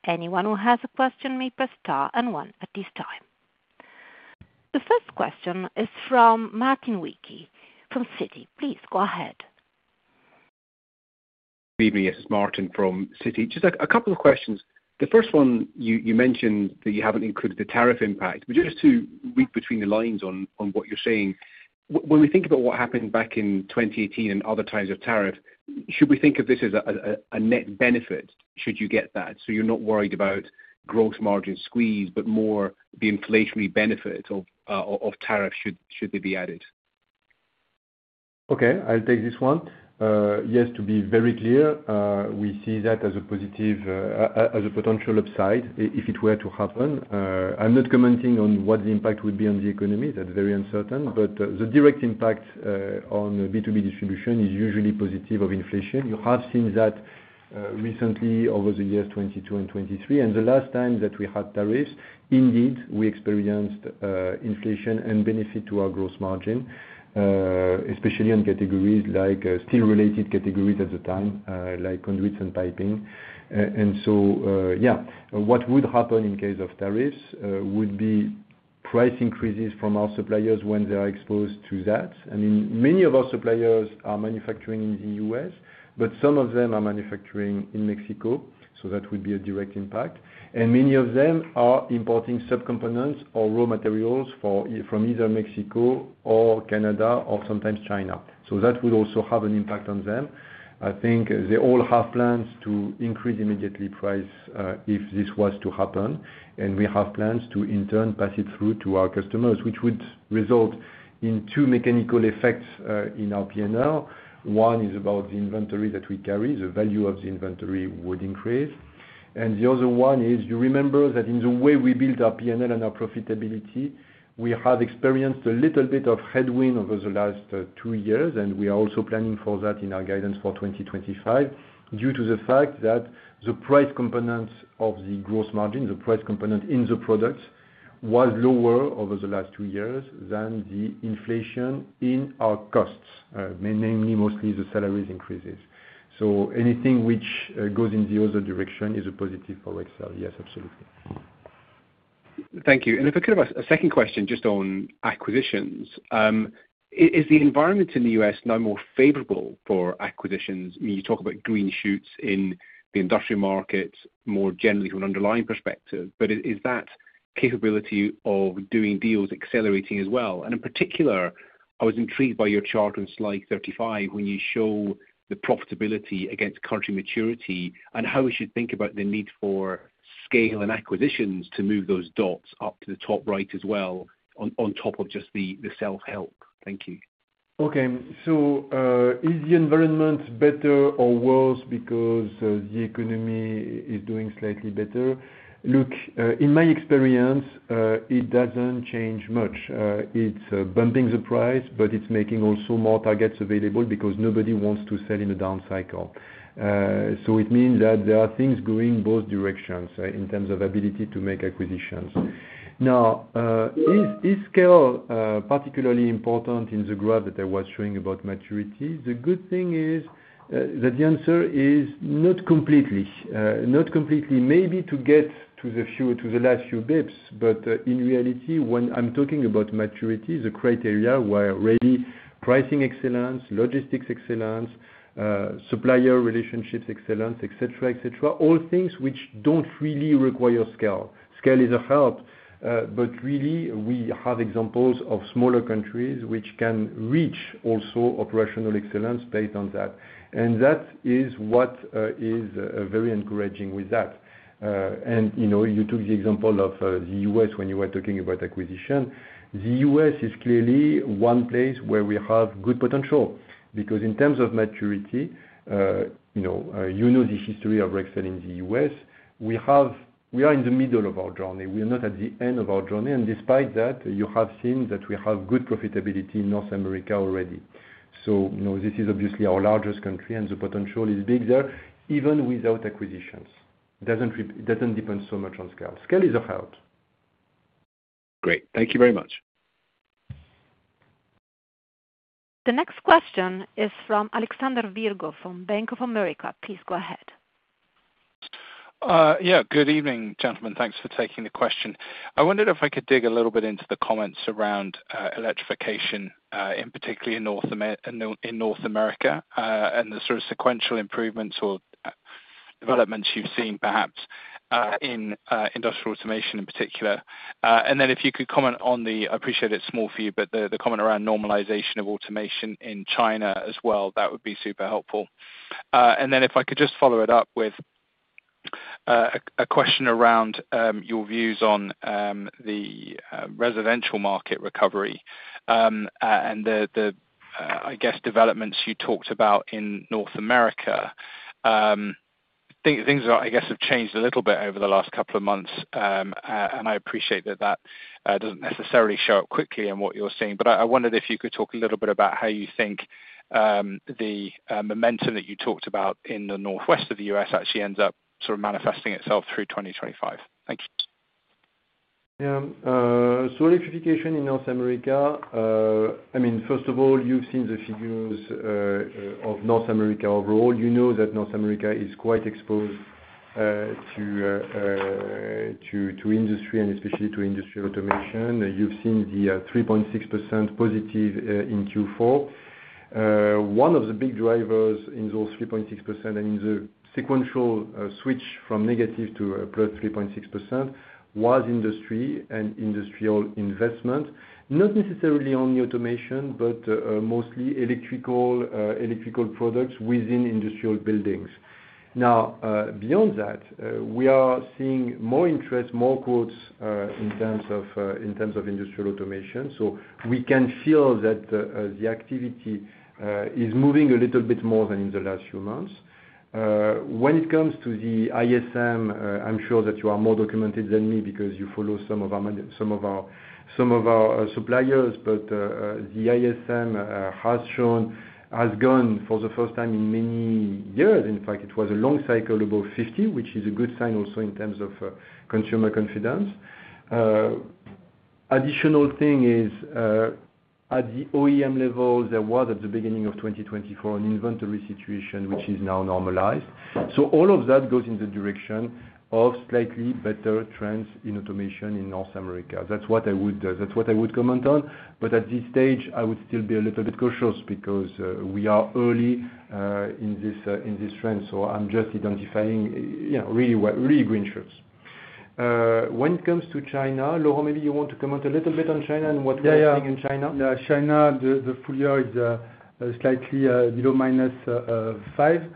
Anyone who has a question may press star and one at this time. The first question is from Martin Wilkie from Citi. Please go ahead. Good evening. This is Martin from Citi. Just a couple of questions. The first one, you mentioned that you haven't included the tariff impact, but just to read between the lines on what you're saying, when we think about what happened back in 2018 and other times of tariff, should we think of this as a net benefit? Should you get that so you're not worried about gross margin squeeze, but more the inflationary benefit of tariffs should they be added? Okay. I'll take this one. Yes, to be very clear, we see that as a potential upside if it were to happen. I'm not commenting on what the impact would be on the economy. That's very uncertain. But the direct impact on B2B distribution is usually positive of inflation. You have seen that recently over the years 2022 and 2023. And the last time that we had tariffs, indeed, we experienced inflation and benefit to our gross margin, especially on categories like steel-related categories at the time, like conduits and piping. And so, yeah, what would happen in case of tariffs would be price increases from our suppliers when they are exposed to that. I mean, many of our suppliers are manufacturing in the U.S., but some of them are manufacturing in Mexico. So that would be a direct impact. And many of them are importing subcomponents or raw materials from either Mexico or Canada or sometimes China. So that would also have an impact on them. I think they all have plans to increase immediately price if this was to happen. And we have plans to, in turn, pass it through to our customers, which would result in two mechanical effects in our P&L. One is about the inventory that we carry. The value of the inventory would increase. And the other one is, you remember that in the way we built our P&L and our profitability, we have experienced a little bit of headwind over the last two years. We are also planning for that in our guidance for 2025 due to the fact that the price component of the gross margin, the price component in the products, was lower over the last two years than the inflation in our costs, mainly mostly the salary increases. So anything which goes in the other direction is a positive for Rexel. Yes, absolutely. Thank you. And if I could ask a second question just on acquisitions, is the environment in the U.S., no more favorable for acquisitions? You talk about green shoots in the industrial market more generally from an underlying perspective, but is that capability of doing deals accelerating as well? And in particular, I was intrigued by your chart on Slide 35 when you show the profitability against country maturity and how we should think about the need for scale and acquisitions to move those dots up to the top right as well on top of just the self-help. Thank you. Okay. So is the environment better or worse because the economy is doing slightly better? Look, in my experience, it doesn't change much. It's bumping the price, but it's making also more targets available because nobody wants to sell in a down cycle. So it means that there are things going both directions in terms of ability to make acquisitions. Now, is scale particularly important in the graph that I was showing about maturity? The good thing is that the answer is not completely. Not completely maybe to get to the last few basis points, but in reality, when I'm talking about maturity, the criteria were really pricing excellence, logistics excellence, supplier relationships excellence, etc., etc., all things which don't really require scale. Scale is a help, but really, we have examples of smaller countries which can reach also operational excellence based on that. That is what is very encouraging with that. You took the example of the U.S., when you were talking about acquisition. The U.S., is clearly one place where we have good potential because in terms of maturity, you know the history of Rexel in the U.S., We are in the middle of our journey. We are not at the end of our journey. Despite that, you have seen that we have good profitability in North America already. This is obviously our largest country, and the potential is big there even without acquisitions. It doesn't depend so much on scale. Scale is a help. Great. Thank you very much. The next question is from Alexander Virgo from Bank of America. Please go ahead. Yeah. Good evening, gentlemen. Thanks for taking the question. I wondered if I could dig a little bit into the comments around electrification, particularly in North America, and the sort of sequential improvements or developments you've seen, perhaps, in industrial automation in particular. And then if you could comment on the, I appreciate it's small for you, but the comment around normalization of automation in China as well. That would be super helpful. And then if I could just follow it up with a question around your views on the residential market recovery and the, I guess, developments you talked about in North America. Things that, I guess, have changed a little bit over the last couple of months, and I appreciate that that doesn't necessarily show up quickly in what you're seeing. But I wondered if you could talk a little bit about how you think the momentum that you talked about in the Northwest of the U.S., actually ends up sort of manifesting itself through 2025? Thank you. Yeah. So electrification in North America, I mean, first of all, you've seen the figures of North America overall. You know that North America is quite exposed to industry and especially to industrial automation. You've seen the 3.6% positive in Q4. One of the big drivers in those 3.6% and in the sequential switch from negative to plus 3.6% was industry and industrial investment, not necessarily on the automation, but mostly electrical products within industrial buildings. Now, beyond that, we are seeing more interest, more quotes in terms of industrial automation. So we can feel that the activity is moving a little bit more than in the last few months. When it comes to the ISM, I'm sure that you are more documented than me because you follow some of our suppliers, but the ISM has gone for the first time in many years. In fact, it was a long cycle above 50, which is a good sign also in terms of consumer confidence. Additional thing is, at the OEM level, there was, at the beginning of 2024, an inventory situation which is now normalized. So all of that goes in the direction of slightly better trends in automation in North America. That's what I would comment on. But at this stage, I would still be a little bit cautious because we are early in this trend. So I'm just identifying really green shoots. When it comes to China, Laurent, maybe you want to comment a little bit on China and what we're seeing in China? Yeah. Yeah. China, the full year is slightly below -5%,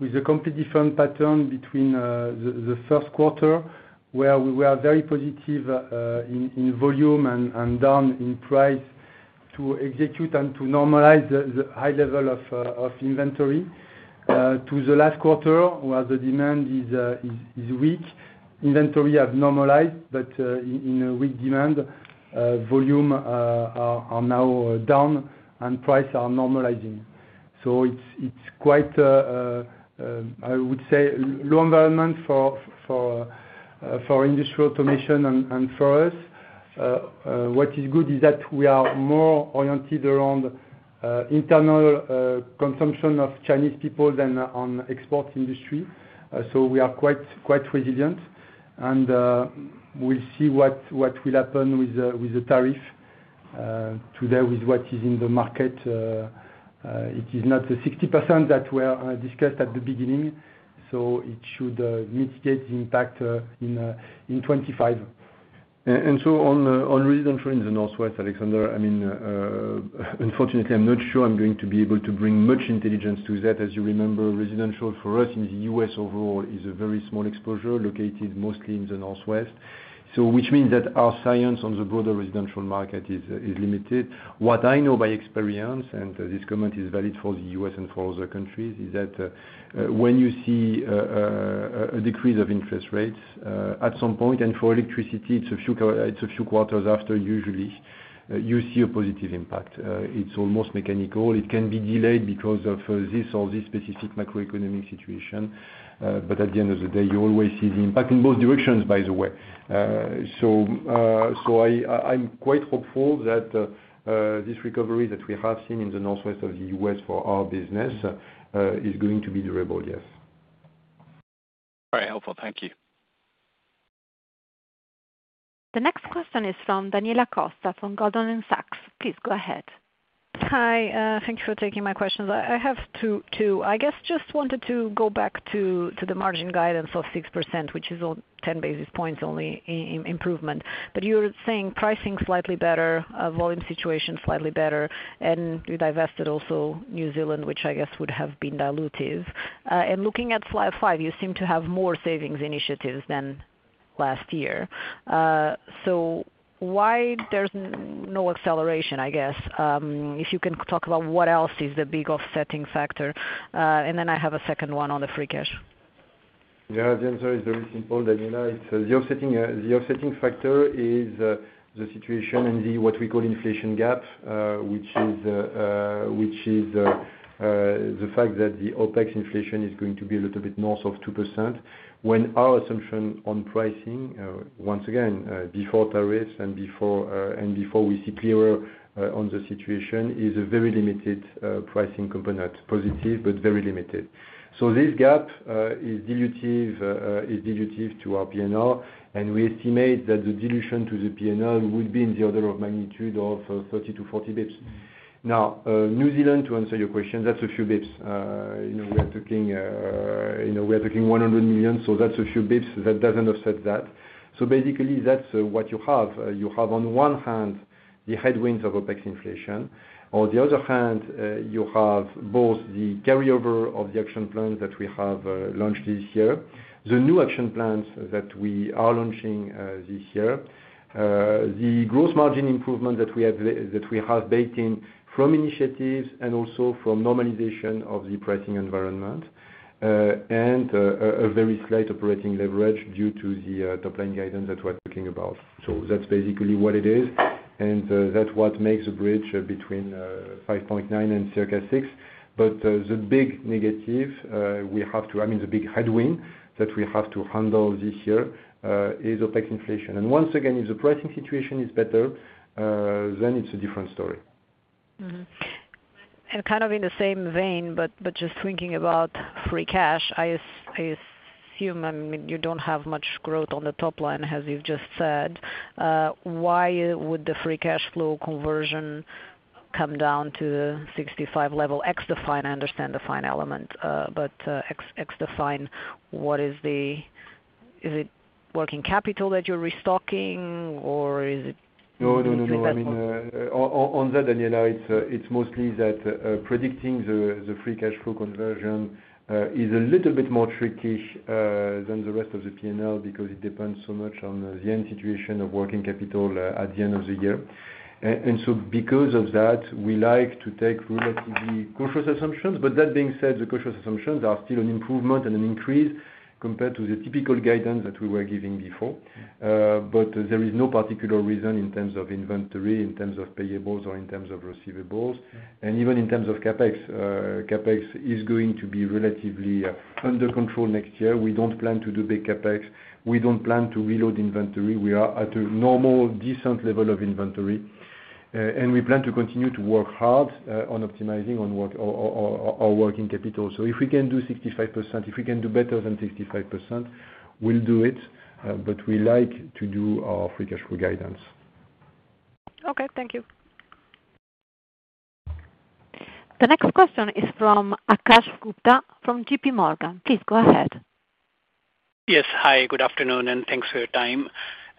with a completely different pattern between the first quarter, where we were very positive in volume and down in price to execute and to normalize the high level of inventory, to the last quarter, where the demand is weak. Inventory has normalized, but in a weak demand, volumes are now down and prices are normalizing. So it's quite, I would say, low environment for industrial automation and for us. What is good is that we are more oriented around internal consumption of Chinese people than on export industry. So we are quite resilient. And we'll see what will happen with the tariff today with what is in the market. It is not the 60% that we discussed at the beginning. So it should mitigate the impact in 2025. And so on residential in the Northwest, Alexander, I mean, unfortunately, I'm not sure I'm going to be able to bring much intelligence to that. As you remember, residential for us in the U.S., overall is a very small exposure located mostly in the Northwest, which means that our science on the broader residential market is limited. What I know by experience, and this comment is valid for the U.S. and for other countries, is that when you see a decrease of interest rates at some point, and for electricity, it's a few quarters after usually, you see a positive impact. It's almost mechanical. It can be delayed because of this or this specific macroeconomic situation. But at the end of the day, you always see the impact in both directions, by the way. So I'm quite hopeful that this recovery that we have seen in the Northwest of the U.S., for our business is going to be durable, yes. Very helpful. Thank you. The next question is from Daniela Costa from Goldman Sachs. Please go ahead. Hi. Thank you for taking my questions. I have two. I guess just wanted to go back to the margin guidance of 6%, which is 10 basis points only improvement. But you're saying pricing slightly better, volume situation slightly better, and you divested also New Zealand, which I guess would have been dilutive. And looking at slide five, you seem to have more savings initiatives than last year. So why there's no acceleration, I guess, if you can talk about what else is the big offsetting factor? And then I have a second one on the free cash. Yeah. The answer is very simple, Daniela. The offsetting factor is the situation and what we call inflation gap, which is the fact that the OpEx inflation is going to be a little bit north of 2% when our assumption on pricing, once again, before tariffs and before we see clearer on the situation, is a very limited pricing component, positive, but very limited. So this gap is dilutive to our P&L. And we estimate that the dilution to the P&L would be in the order of magnitude of 30 to 40 basis points. Now, New Zealand, to answer your question, that's a few basis points. We are talking €100 million. So that's a few basis points. That doesn't offset that. So basically, that's what you have. You have, on one hand, the headwinds of OpEx inflation. On the other hand, you have both the carryover of the action plans that we have launched this year, the new action plans that we are launching this year, the gross margin improvement that we have baked in from initiatives and also from normalization of the pricing environment, and a very slight operating leverage due to the top-line guidance that we're talking about. So that's basically what it is. And that's what makes the bridge between 5.9 and circa 6. But the big negative we have to—I mean, the big headwind that we have to handle this year is OpEx inflation. And once again, if the pricing situation is better, then it's a different story. Kind of in the same vein, but just thinking about free cash, I assume you don't have much growth on the top line, as you've just said. Why would the free cash flow conversion come down to the 65 level? CFO, I understand the FX element, but CFO, what is the—is it working capital that you're restocking, or is it? No, no, no, no. I mean, on that, Daniela, it's mostly that predicting the free cash flow conversion is a little bit more tricky than the rest of the P&L because it depends so much on the end situation of working capital at the end of the year. And so because of that, we like to take relatively cautious assumptions. But that being said, the cautious assumptions are still an improvement and an increase compared to the typical guidance that we were giving before. But there is no particular reason in terms of inventory, in terms of payables, or in terms of receivables. And even in terms of CapEx, CapEx is going to be relatively under control next year. We don't plan to do big CapEx. We don't plan to reload inventory. We are at a normal, decent level of inventory. And we plan to continue to work hard on optimizing our working capital. So if we can do 65%, if we can do better than 65%, we'll do it. But we like to do our Free Cash Flow guidance. Okay. Thank you. The next question is from Akash Gupta from JPMorgan. Please go ahead. Yes. Hi. Good afternoon, and thanks for your time.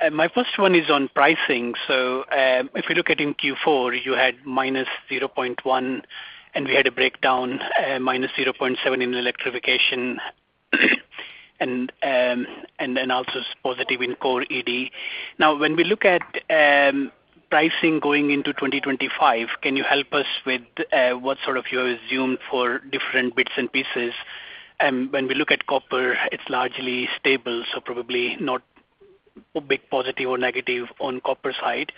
My first one is on pricing. So if you look at in Q4, you had -0.1%, and we had a breakdown, -0.7% in electrification, and then also positive in core ED. Now, when we look at pricing going into 2025, can you help us with what sort of you have assumed for different bits and pieces? And when we look at copper, it's largely stable, so probably not a big positive or negative on copper side.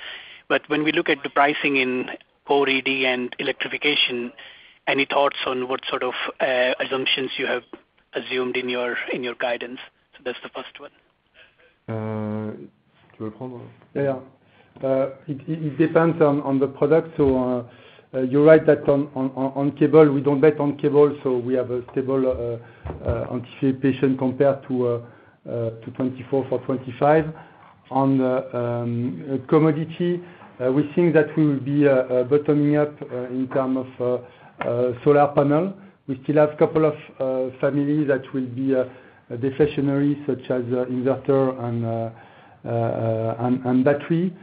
But when we look at the pricing in core ED and electrification, any thoughts on what sort of assumptions you have assumed in your guidance? So that's the first one. Yeah. It depends on the product. So you're right that on cable, we don't bet on cable. So we have a stable anticipation compared to 2024 for 2025. On commodity, we think that we will be bottoming out in terms of solar panel. We still have a couple of families that will be deflationary, such as inverter and battery.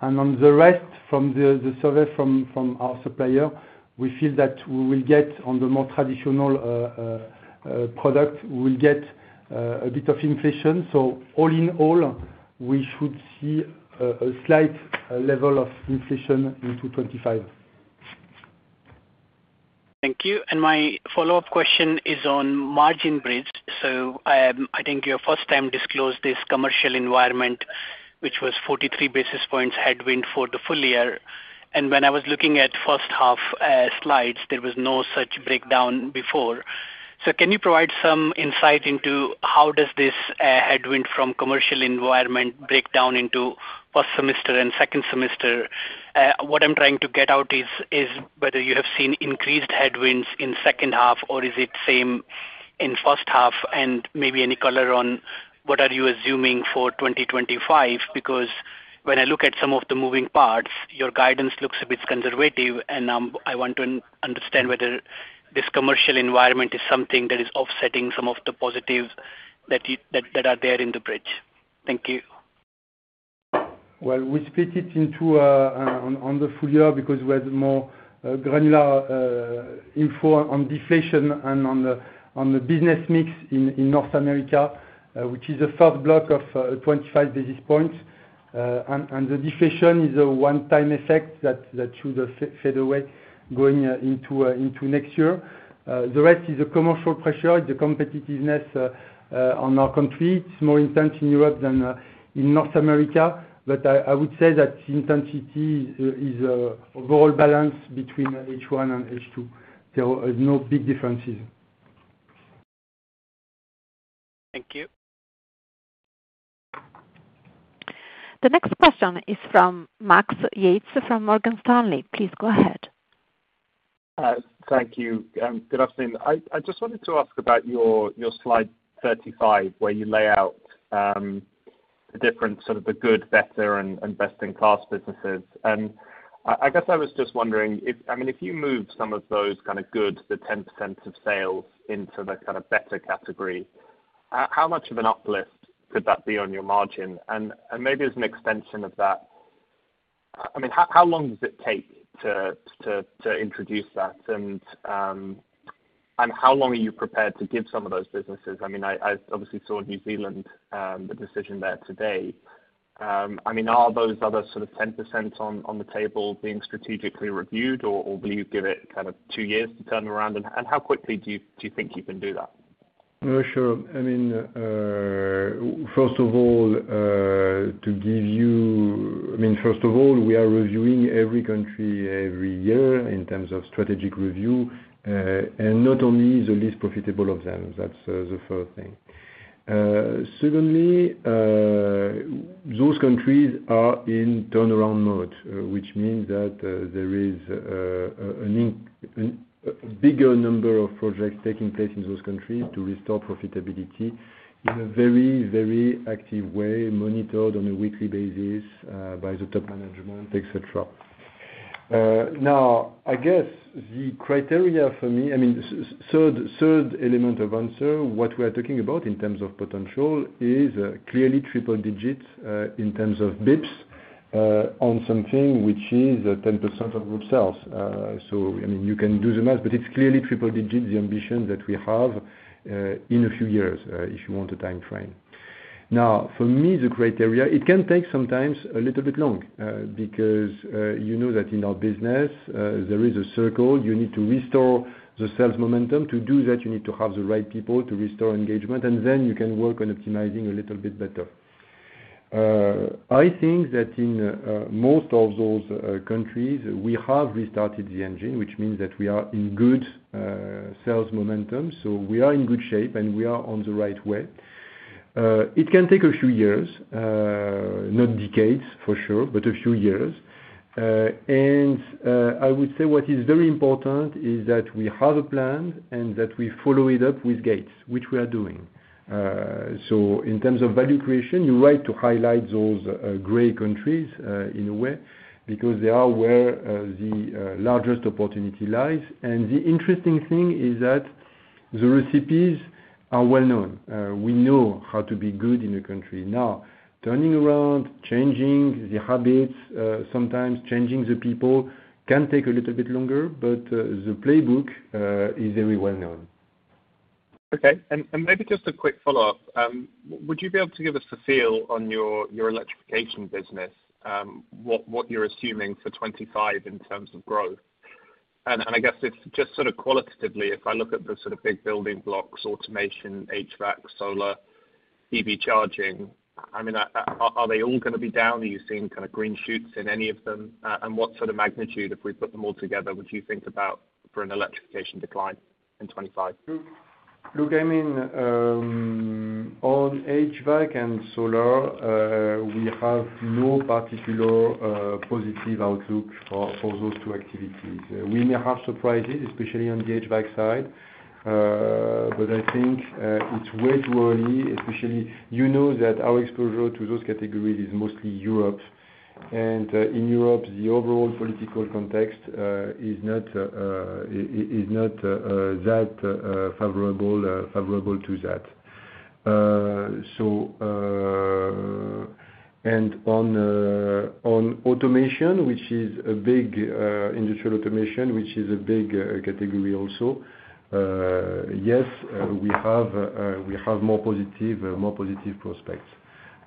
And on the rest, from the survey from our supplier, we feel that we will get, on the more traditional product, a bit of inflation. So all in all, we should see a slight level of inflation into 2025. Thank you. And my follow-up question is on margin bridge. So I think your first time disclosed this commercial environment, which was 43 basis points headwind for the full year. And when I was looking at first half slides, there was no such breakdown before. So can you provide some insight into how does this headwind from commercial environment break down into first semester and second semester? What I'm trying to get out is whether you have seen increased headwinds in second half, or is it same in first half? And maybe any color on what are you assuming for 2025? Because when I look at some of the moving parts, your guidance looks a bit conservative. And I want to understand whether this commercial environment is something that is offsetting some of the positives that are there in the bridge. Thank you. We split it out on the full year because we had more granular info on deflation and on the business mix in North America, which is the first block of 25 basis points. The deflation is a one-time effect that should fade away going into next year. The rest is the commercial pressure. It's the competitiveness in our countries. It's more intense in Europe than in North America. I would say that intensity is overallly balanced between H1 and H2. There are no big differences. Thank you. The next question is from Max Yates from Morgan Stanley. Please go ahead. Thank you, Sebastian. I just wanted to ask about your slide 35, where you lay out the different sort of the good, better, and best-in-class businesses. And I guess I was just wondering, I mean, if you move some of those kind of goods, the 10% of sales, into the kind of better category, how much of an uplift could that be on your margin? And maybe as an extension of that, I mean, how long does it take to introduce that? And how long are you prepared to give some of those businesses? I mean, I obviously saw New Zealand, the decision there today. I mean, are those other sort of 10% on the table being strategically reviewed, or will you give it kind of two years to turn around? And how quickly do you think you can do that? Sure. I mean, first of all, we are reviewing every country every year in terms of strategic review, and not only the least profitable of them. That's the first thing. Secondly, those countries are in turnaround mode, which means that there is a bigger number of projects taking place in those countries to restore profitability in a very, very active way, monitored on a weekly basis by the top management, etc. Now, third element of answer, what we are talking about in terms of potential is clearly triple digits in terms of basis points on something which is 10% of group sales. So I mean, you can do the math, but it's clearly triple digits, the ambition that we have in a few years if you want a time frame. Now, for me, the criteria, it can take sometimes a little bit long because you know that in our business, there is a cycle. You need to restore the sales momentum. To do that, you need to have the right people to restore engagement, and then you can work on optimizing a little bit better. I think that in most of those countries, we have restarted the engine, which means that we are in good sales momentum. So we are in good shape, and we are on the right way. It can take a few years, not decades for sure, but a few years. And I would say what is very important is that we have a plan and that we follow it up with gains, which we are doing. So in terms of value creation, you're right to highlight those gray countries in a way because they are where the largest opportunity lies. And the interesting thing is that the recipes are well-known. We know how to be good in a country. Now, turning around, changing the habits, sometimes changing the people can take a little bit longer, but the playbook is very well-known. Okay. Maybe just a quick follow-up. Would you be able to give us a feel on your electrification business, what you're assuming for 2025 in terms of growth? I guess just sort of qualitatively, if I look at the sort of big building blocks: automation, HVAC, solar, EV charging, I mean, are they all going to be down? Are you seeing kind of green shoots in any of them? What sort of magnitude, if we put them all together, would you think about for an electrification decline in 2025? Look, I mean, on HVAC and solar, we have no particular positive outlook for those two activities. We may have surprises, especially on the HVAC side, but I think it's way too early, especially you know that our exposure to those categories is mostly Europe. And in Europe, the overall political context is not that favorable to that. And on automation, which is a big industrial automation, which is a big category also, yes, we have more positive prospects.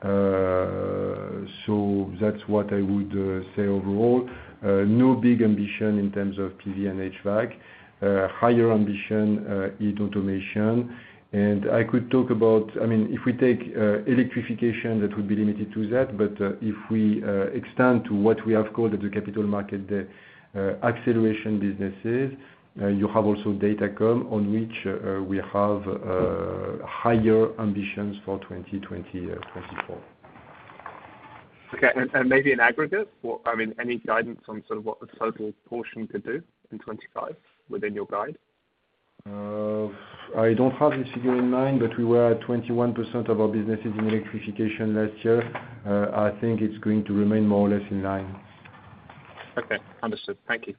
So that's what I would say overall. No big ambition in terms of PV and HVAC. Higher ambition in automation. And I could talk about, I mean, if we take electrification, that would be limited to that. But if we extend to what we have called at the Capital Markets Day, the acceleration businesses, you have also data centers on which we have higher ambitions for 2024. Okay. And maybe an aggregate for, I mean, any guidance on sort of what the total portion could do in 2025 within your guide? I don't have this figure in mind, but we were at 21% of our businesses in electrification last year. I think it's going to remain more or less in line. Okay. Understood. Thank you.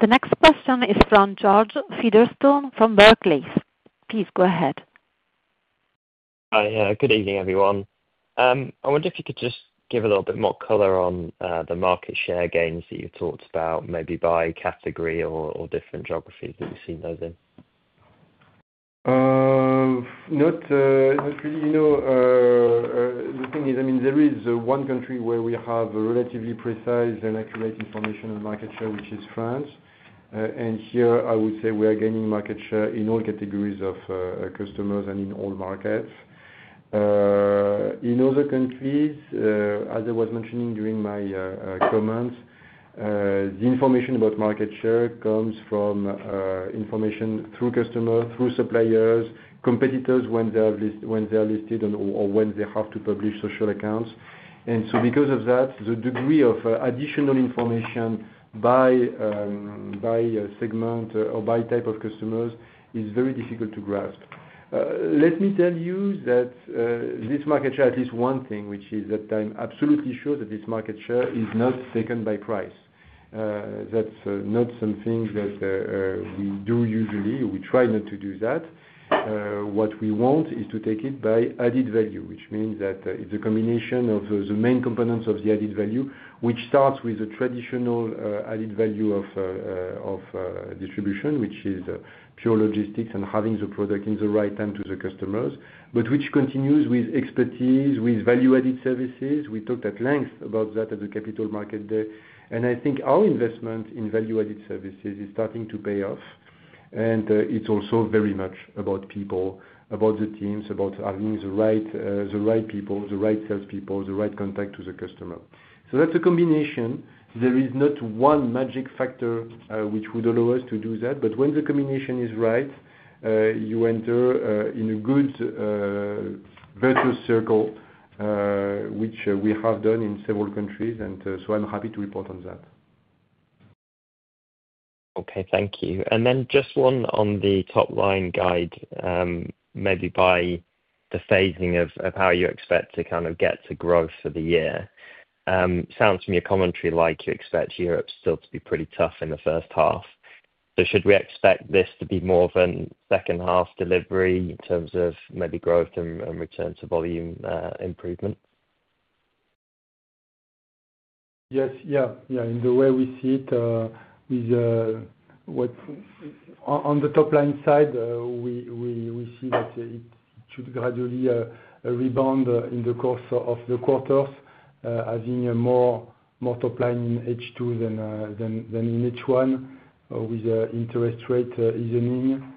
The next question is from George Featherstone from Berenberg. Please go ahead. Hi. Good evening, everyone. I wonder if you could just give a little bit more color on the market share gains that you've talked about, maybe by category or different geographies that you've seen those in. Not really. The thing is, I mean, there is one country where we have relatively precise and accurate information on market share, which is France. And here, I would say we are gaining market share in all categories of customers and in all markets. In other countries, as I was mentioning during my comments, the information about market share comes from information through customers, through suppliers, competitors when they are listed or when they have to publish social accounts. And so because of that, the degree of additional information by segment or by type of customers is very difficult to grasp. Let me tell you that this market share, at least one thing, which is that I'm absolutely sure that this market share is not taken by price. That's not something that we do usually. We try not to do that. What we want is to take it by added value, which means that it's a combination of the main components of the added value, which starts with the traditional added value of distribution, which is pure logistics and having the product in the right hands to the customers, but which continues with expertise, with value-added services. We talked at length about that at the Capital Markets Day, and I think our investment in value-added services is starting to pay off, and it's also very much about people, about the teams, about having the right people, the right salespeople, the right contact to the customer, so that's a combination. There is not one magic factor which would allow us to do that. But when the combination is right, you enter in a good virtuous circle, which we have done in several countries, and so I'm happy to report on that. Okay. Thank you. And then just one on the top line guide, maybe by the phasing of how you expect to kind of get to growth for the year. Sounds from your commentary like you expect Europe still to be pretty tough in the first half. So should we expect this to be more of a second-half delivery in terms of maybe growth and return to volume improvement? Yes. In the way we see it, on the top line side, we see that it should gradually rebound in the course of the quarters, having more top line in H2 than in H1, with interest rate easing.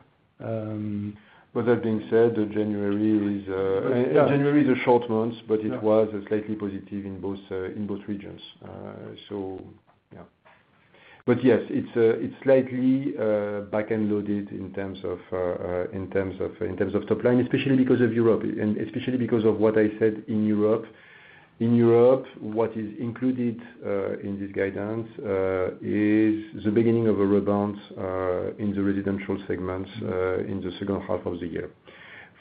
With that being said, January is a short month, but it was slightly positive in both regions. So yeah, but yes, it's slightly back-loaded in terms of top line, especially because of Europe and especially because of what I said in Europe. In Europe, what is included in this guidance is the beginning of a rebound in the residential segments in the second half of the year.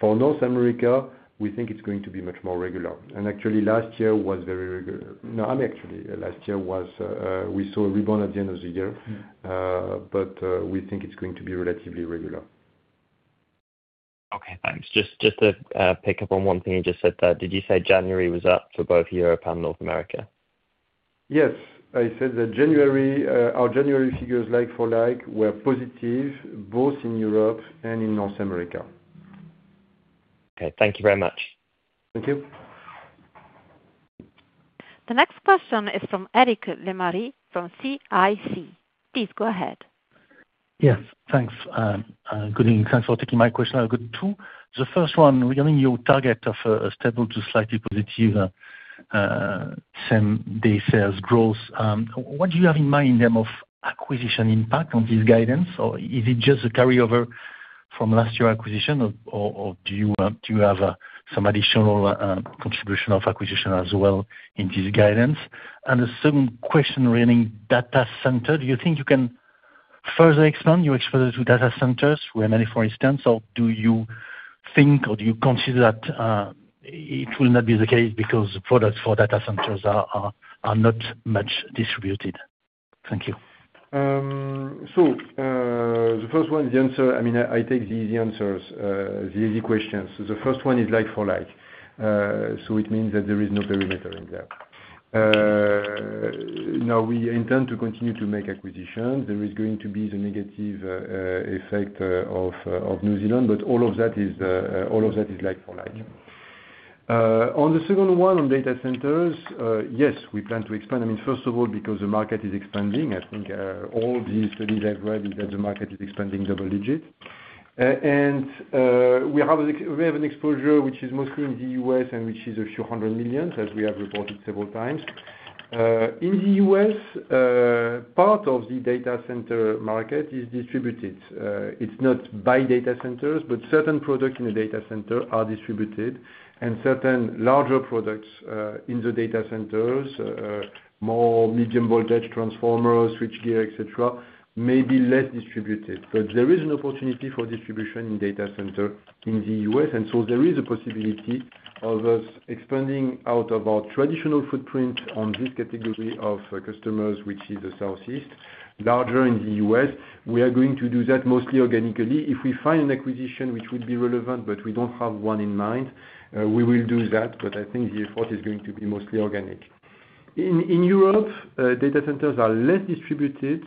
For North America, we think it's going to be much more regular, and actually, last year was very regular. No, I mean, actually, last year we saw a rebound at the end of the year, but we think it's going to be relatively regular. Okay. Thanks. Just to pick up on one thing you just said there, did you say January was up for both Europe and North America? Yes. I said that our January figures, like for like, were positive both in Europe and in North America. Okay. Thank you very much. Thank you. The next question is from Eric Lemarie from CIC. Please go ahead. Yes. Thanks. Good evening. Thanks for taking my question. I've got two. The first one, regarding your target of a stable to slightly positive same-day sales growth, what do you have in mind in terms of acquisition impact on this guidance? Or is it just a carryover from last year's acquisition, or do you have some additional contribution of acquisition as well in this guidance? And the second question regarding data center, do you think you can further expand your exposure to data centers where many for instance, or do you think or do you consider that it will not be the case because products for data centers are not much distributed? Thank you. So the first one, the answer, I mean, I take the easy answers, the easy questions. The first one is like for like. So it means that there is no perimeter in there. Now, we intend to continue to make acquisitions. There is going to be the negative effect of New Zealand, but all of that is like for like. On the second one, on data centers, yes, we plan to expand. I mean, first of all, because the market is expanding. I think all these studies I've read is that the market is expanding double digits. And we have an exposure which is mostly in the U.S., and which is a few hundred million, as we have reported several times. In the U.S., part of the data center market is distributed. It's not by data centers, but certain products in a data center are distributed, and certain larger products in the data centers, more medium voltage transformers, switchgear, etc., may be less distributed. But there is an opportunity for distribution in data centers in the U.S., And so there is a possibility of us expanding out of our traditional footprint on this category of customers, which is the Southeast, larger in the U.S., We are going to do that mostly organically. If we find an acquisition which would be relevant, but we don't have one in mind, we will do that. But I think the effort is going to be mostly organic. In Europe, data centers are less distributed,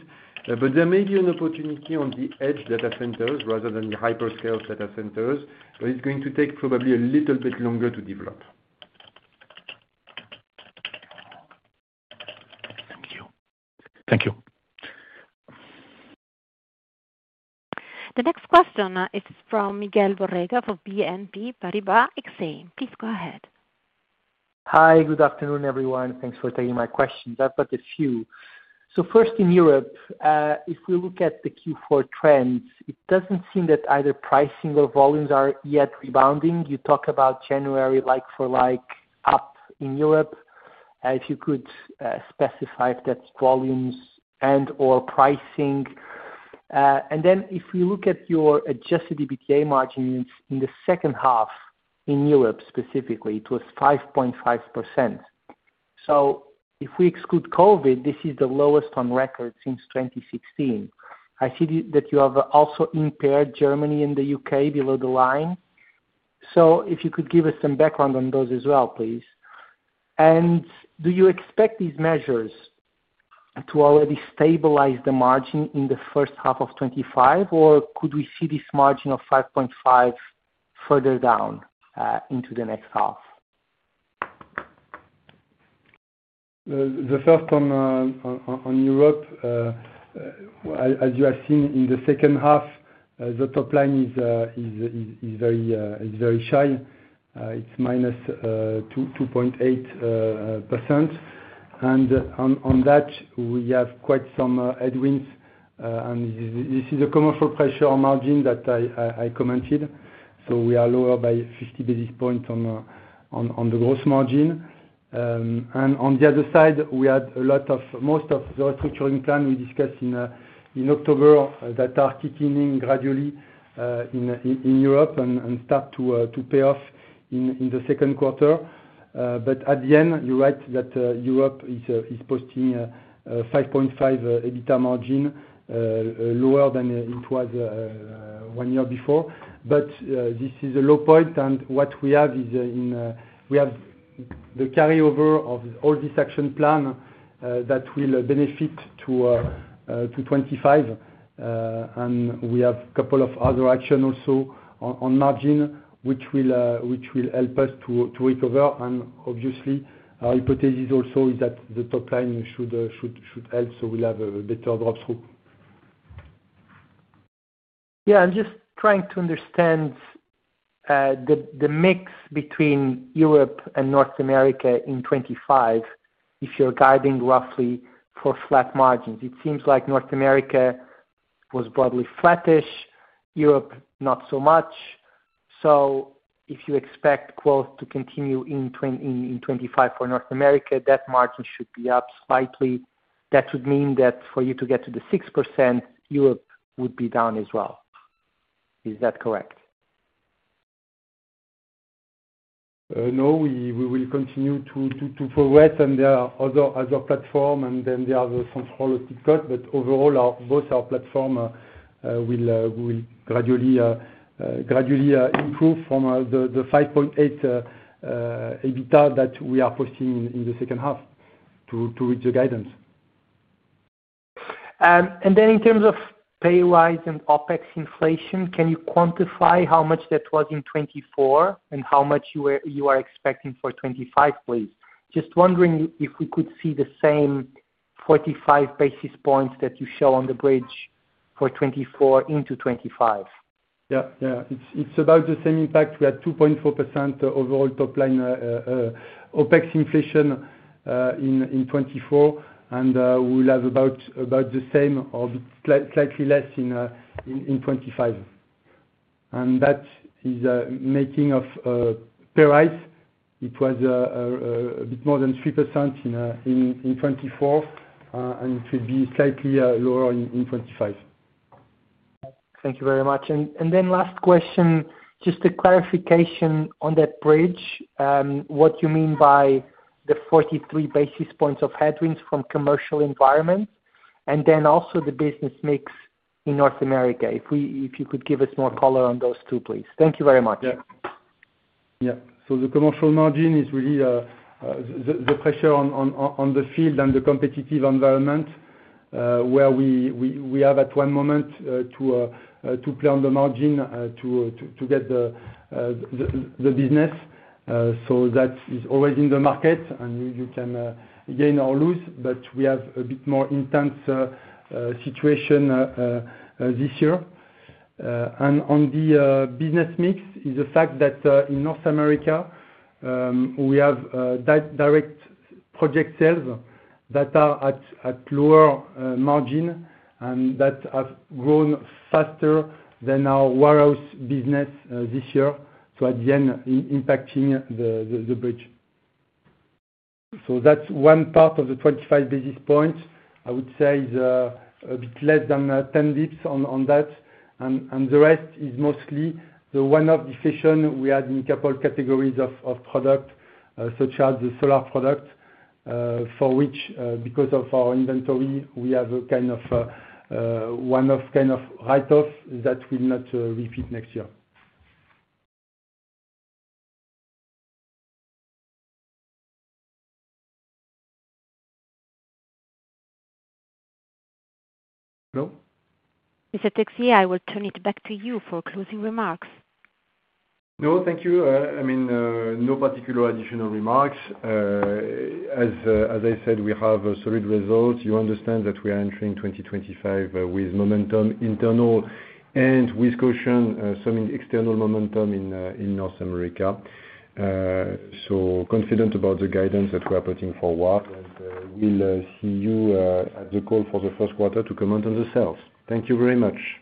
but there may be an opportunity on the edge data centers rather than the hyperscale data centers, but it's going to take probably a little bit longer to develop. Thank you. Thank you. The next question is from Miguel Borrega for Exane BNP Paribas. Please go ahead. Hi. Good afternoon, everyone. Thanks for taking my questions. I've got a few. So first, in Europe, if we look at the Q4 trends, it doesn't seem that either pricing or volumes are yet rebounding. You talk about January like for like up in Europe. If you could specify if that's volumes and/or pricing. And then if we look at your Adjusted EBITDA margins in the second half in Europe specifically, it was 5.5%. So if we exclude COVID, this is the lowest on record since 2016. I see that you have also impaired Germany and the U.K., below the line. So if you could give us some background on those as well, please. And do you expect these measures to already stabilize the margin in the first half of 2025, or could we see this margin of 5.5 further down into the next half? The first one on Europe, as you have seen in the second half, the top line is very shy. It's minus 2.8%. And on that, we have quite some headwinds, and this is a commercial pressure margin that I commented. So we are lower by 50 basis points on the gross margin, and on the other side, we had a lot of most of the restructuring plan we discussed in October that are kicking in gradually in Europe and start to pay off in the second quarter. But at the end, you're right that Europe is posting a 5.5% EBITDA margin lower than it was one year before. But this is a low point, and what we have is we have the carryover of all this action plan that will benefit to 2025. And we have a couple of other actions also on margin which will help us to recover. Obviously, our hypothesis also is that the top line should help so we'll have a better drop-through. Yeah. I'm just trying to understand the mix between Europe and North America in 2025 if you're guiding roughly for flat margins. It seems like North America was broadly flattish, Europe not so much. So if you expect growth to continue in 2025 for North America, that margin should be up slightly. That would mean that for you to get to the 6%, Europe would be down as well. Is that correct? No, we will continue to progress, and there are other platforms, and then there are the central logistics cuts, but overall, both our platforms will gradually improve from the 5.8 EBITDA that we are posting in the second half to reach the guidance. Then in terms of pay-wise and OpEx inflation, can you quantify how much that was in 2024 and how much you are expecting for 2025, please? Just wondering if we could see the same 45 basis points that you show on the bridge for 2024 into 2025. Yeah. Yeah. It's about the same impact. We have 2.4% overall top line OpEx inflation in 2024, and we'll have about the same or slightly less in 2025. And that is mainly pay-wise. It was a bit more than 3% in 2024, and it will be slightly lower in 2025. Thank you very much. And then last question, just a clarification on that bridge, what you mean by the 43 basis points of headwinds from commercial environment, and then also the business mix in North America. If you could give us more color on those two, please. Thank you very much. Yeah. Yeah. So the commercial margin is really the pressure on the field and the competitive environment where we have at one moment to plan the margin to get the business. So that is always in the market, and you can gain or lose, but we have a bit more intense situation this year. And on the business mix is the fact that in North America, we have direct project sales that are at lower margin and that have grown faster than our warehouse business this year. So at the end, impacting the bridge. So that's one part of the 25 basis points. I would say it's a bit less than 10 basis points on that. And the rest is mostly the one-off deflation we had in a couple of categories of product, such as the solar product, for which, because of our inventory, we have a kind of one-off kind of write-off that will not repeat next year. Hello? Mr. Texier, I will turn it back to you for closing remarks. No, thank you. I mean, no particular additional remarks. As I said, we have solid results. You understand that we are entering 2025 with momentum internal and with caution, some external momentum in North America, so confident about the guidance that we are putting forward, and we'll see you at the call for the first quarter to comment on the sales. Thank you very much.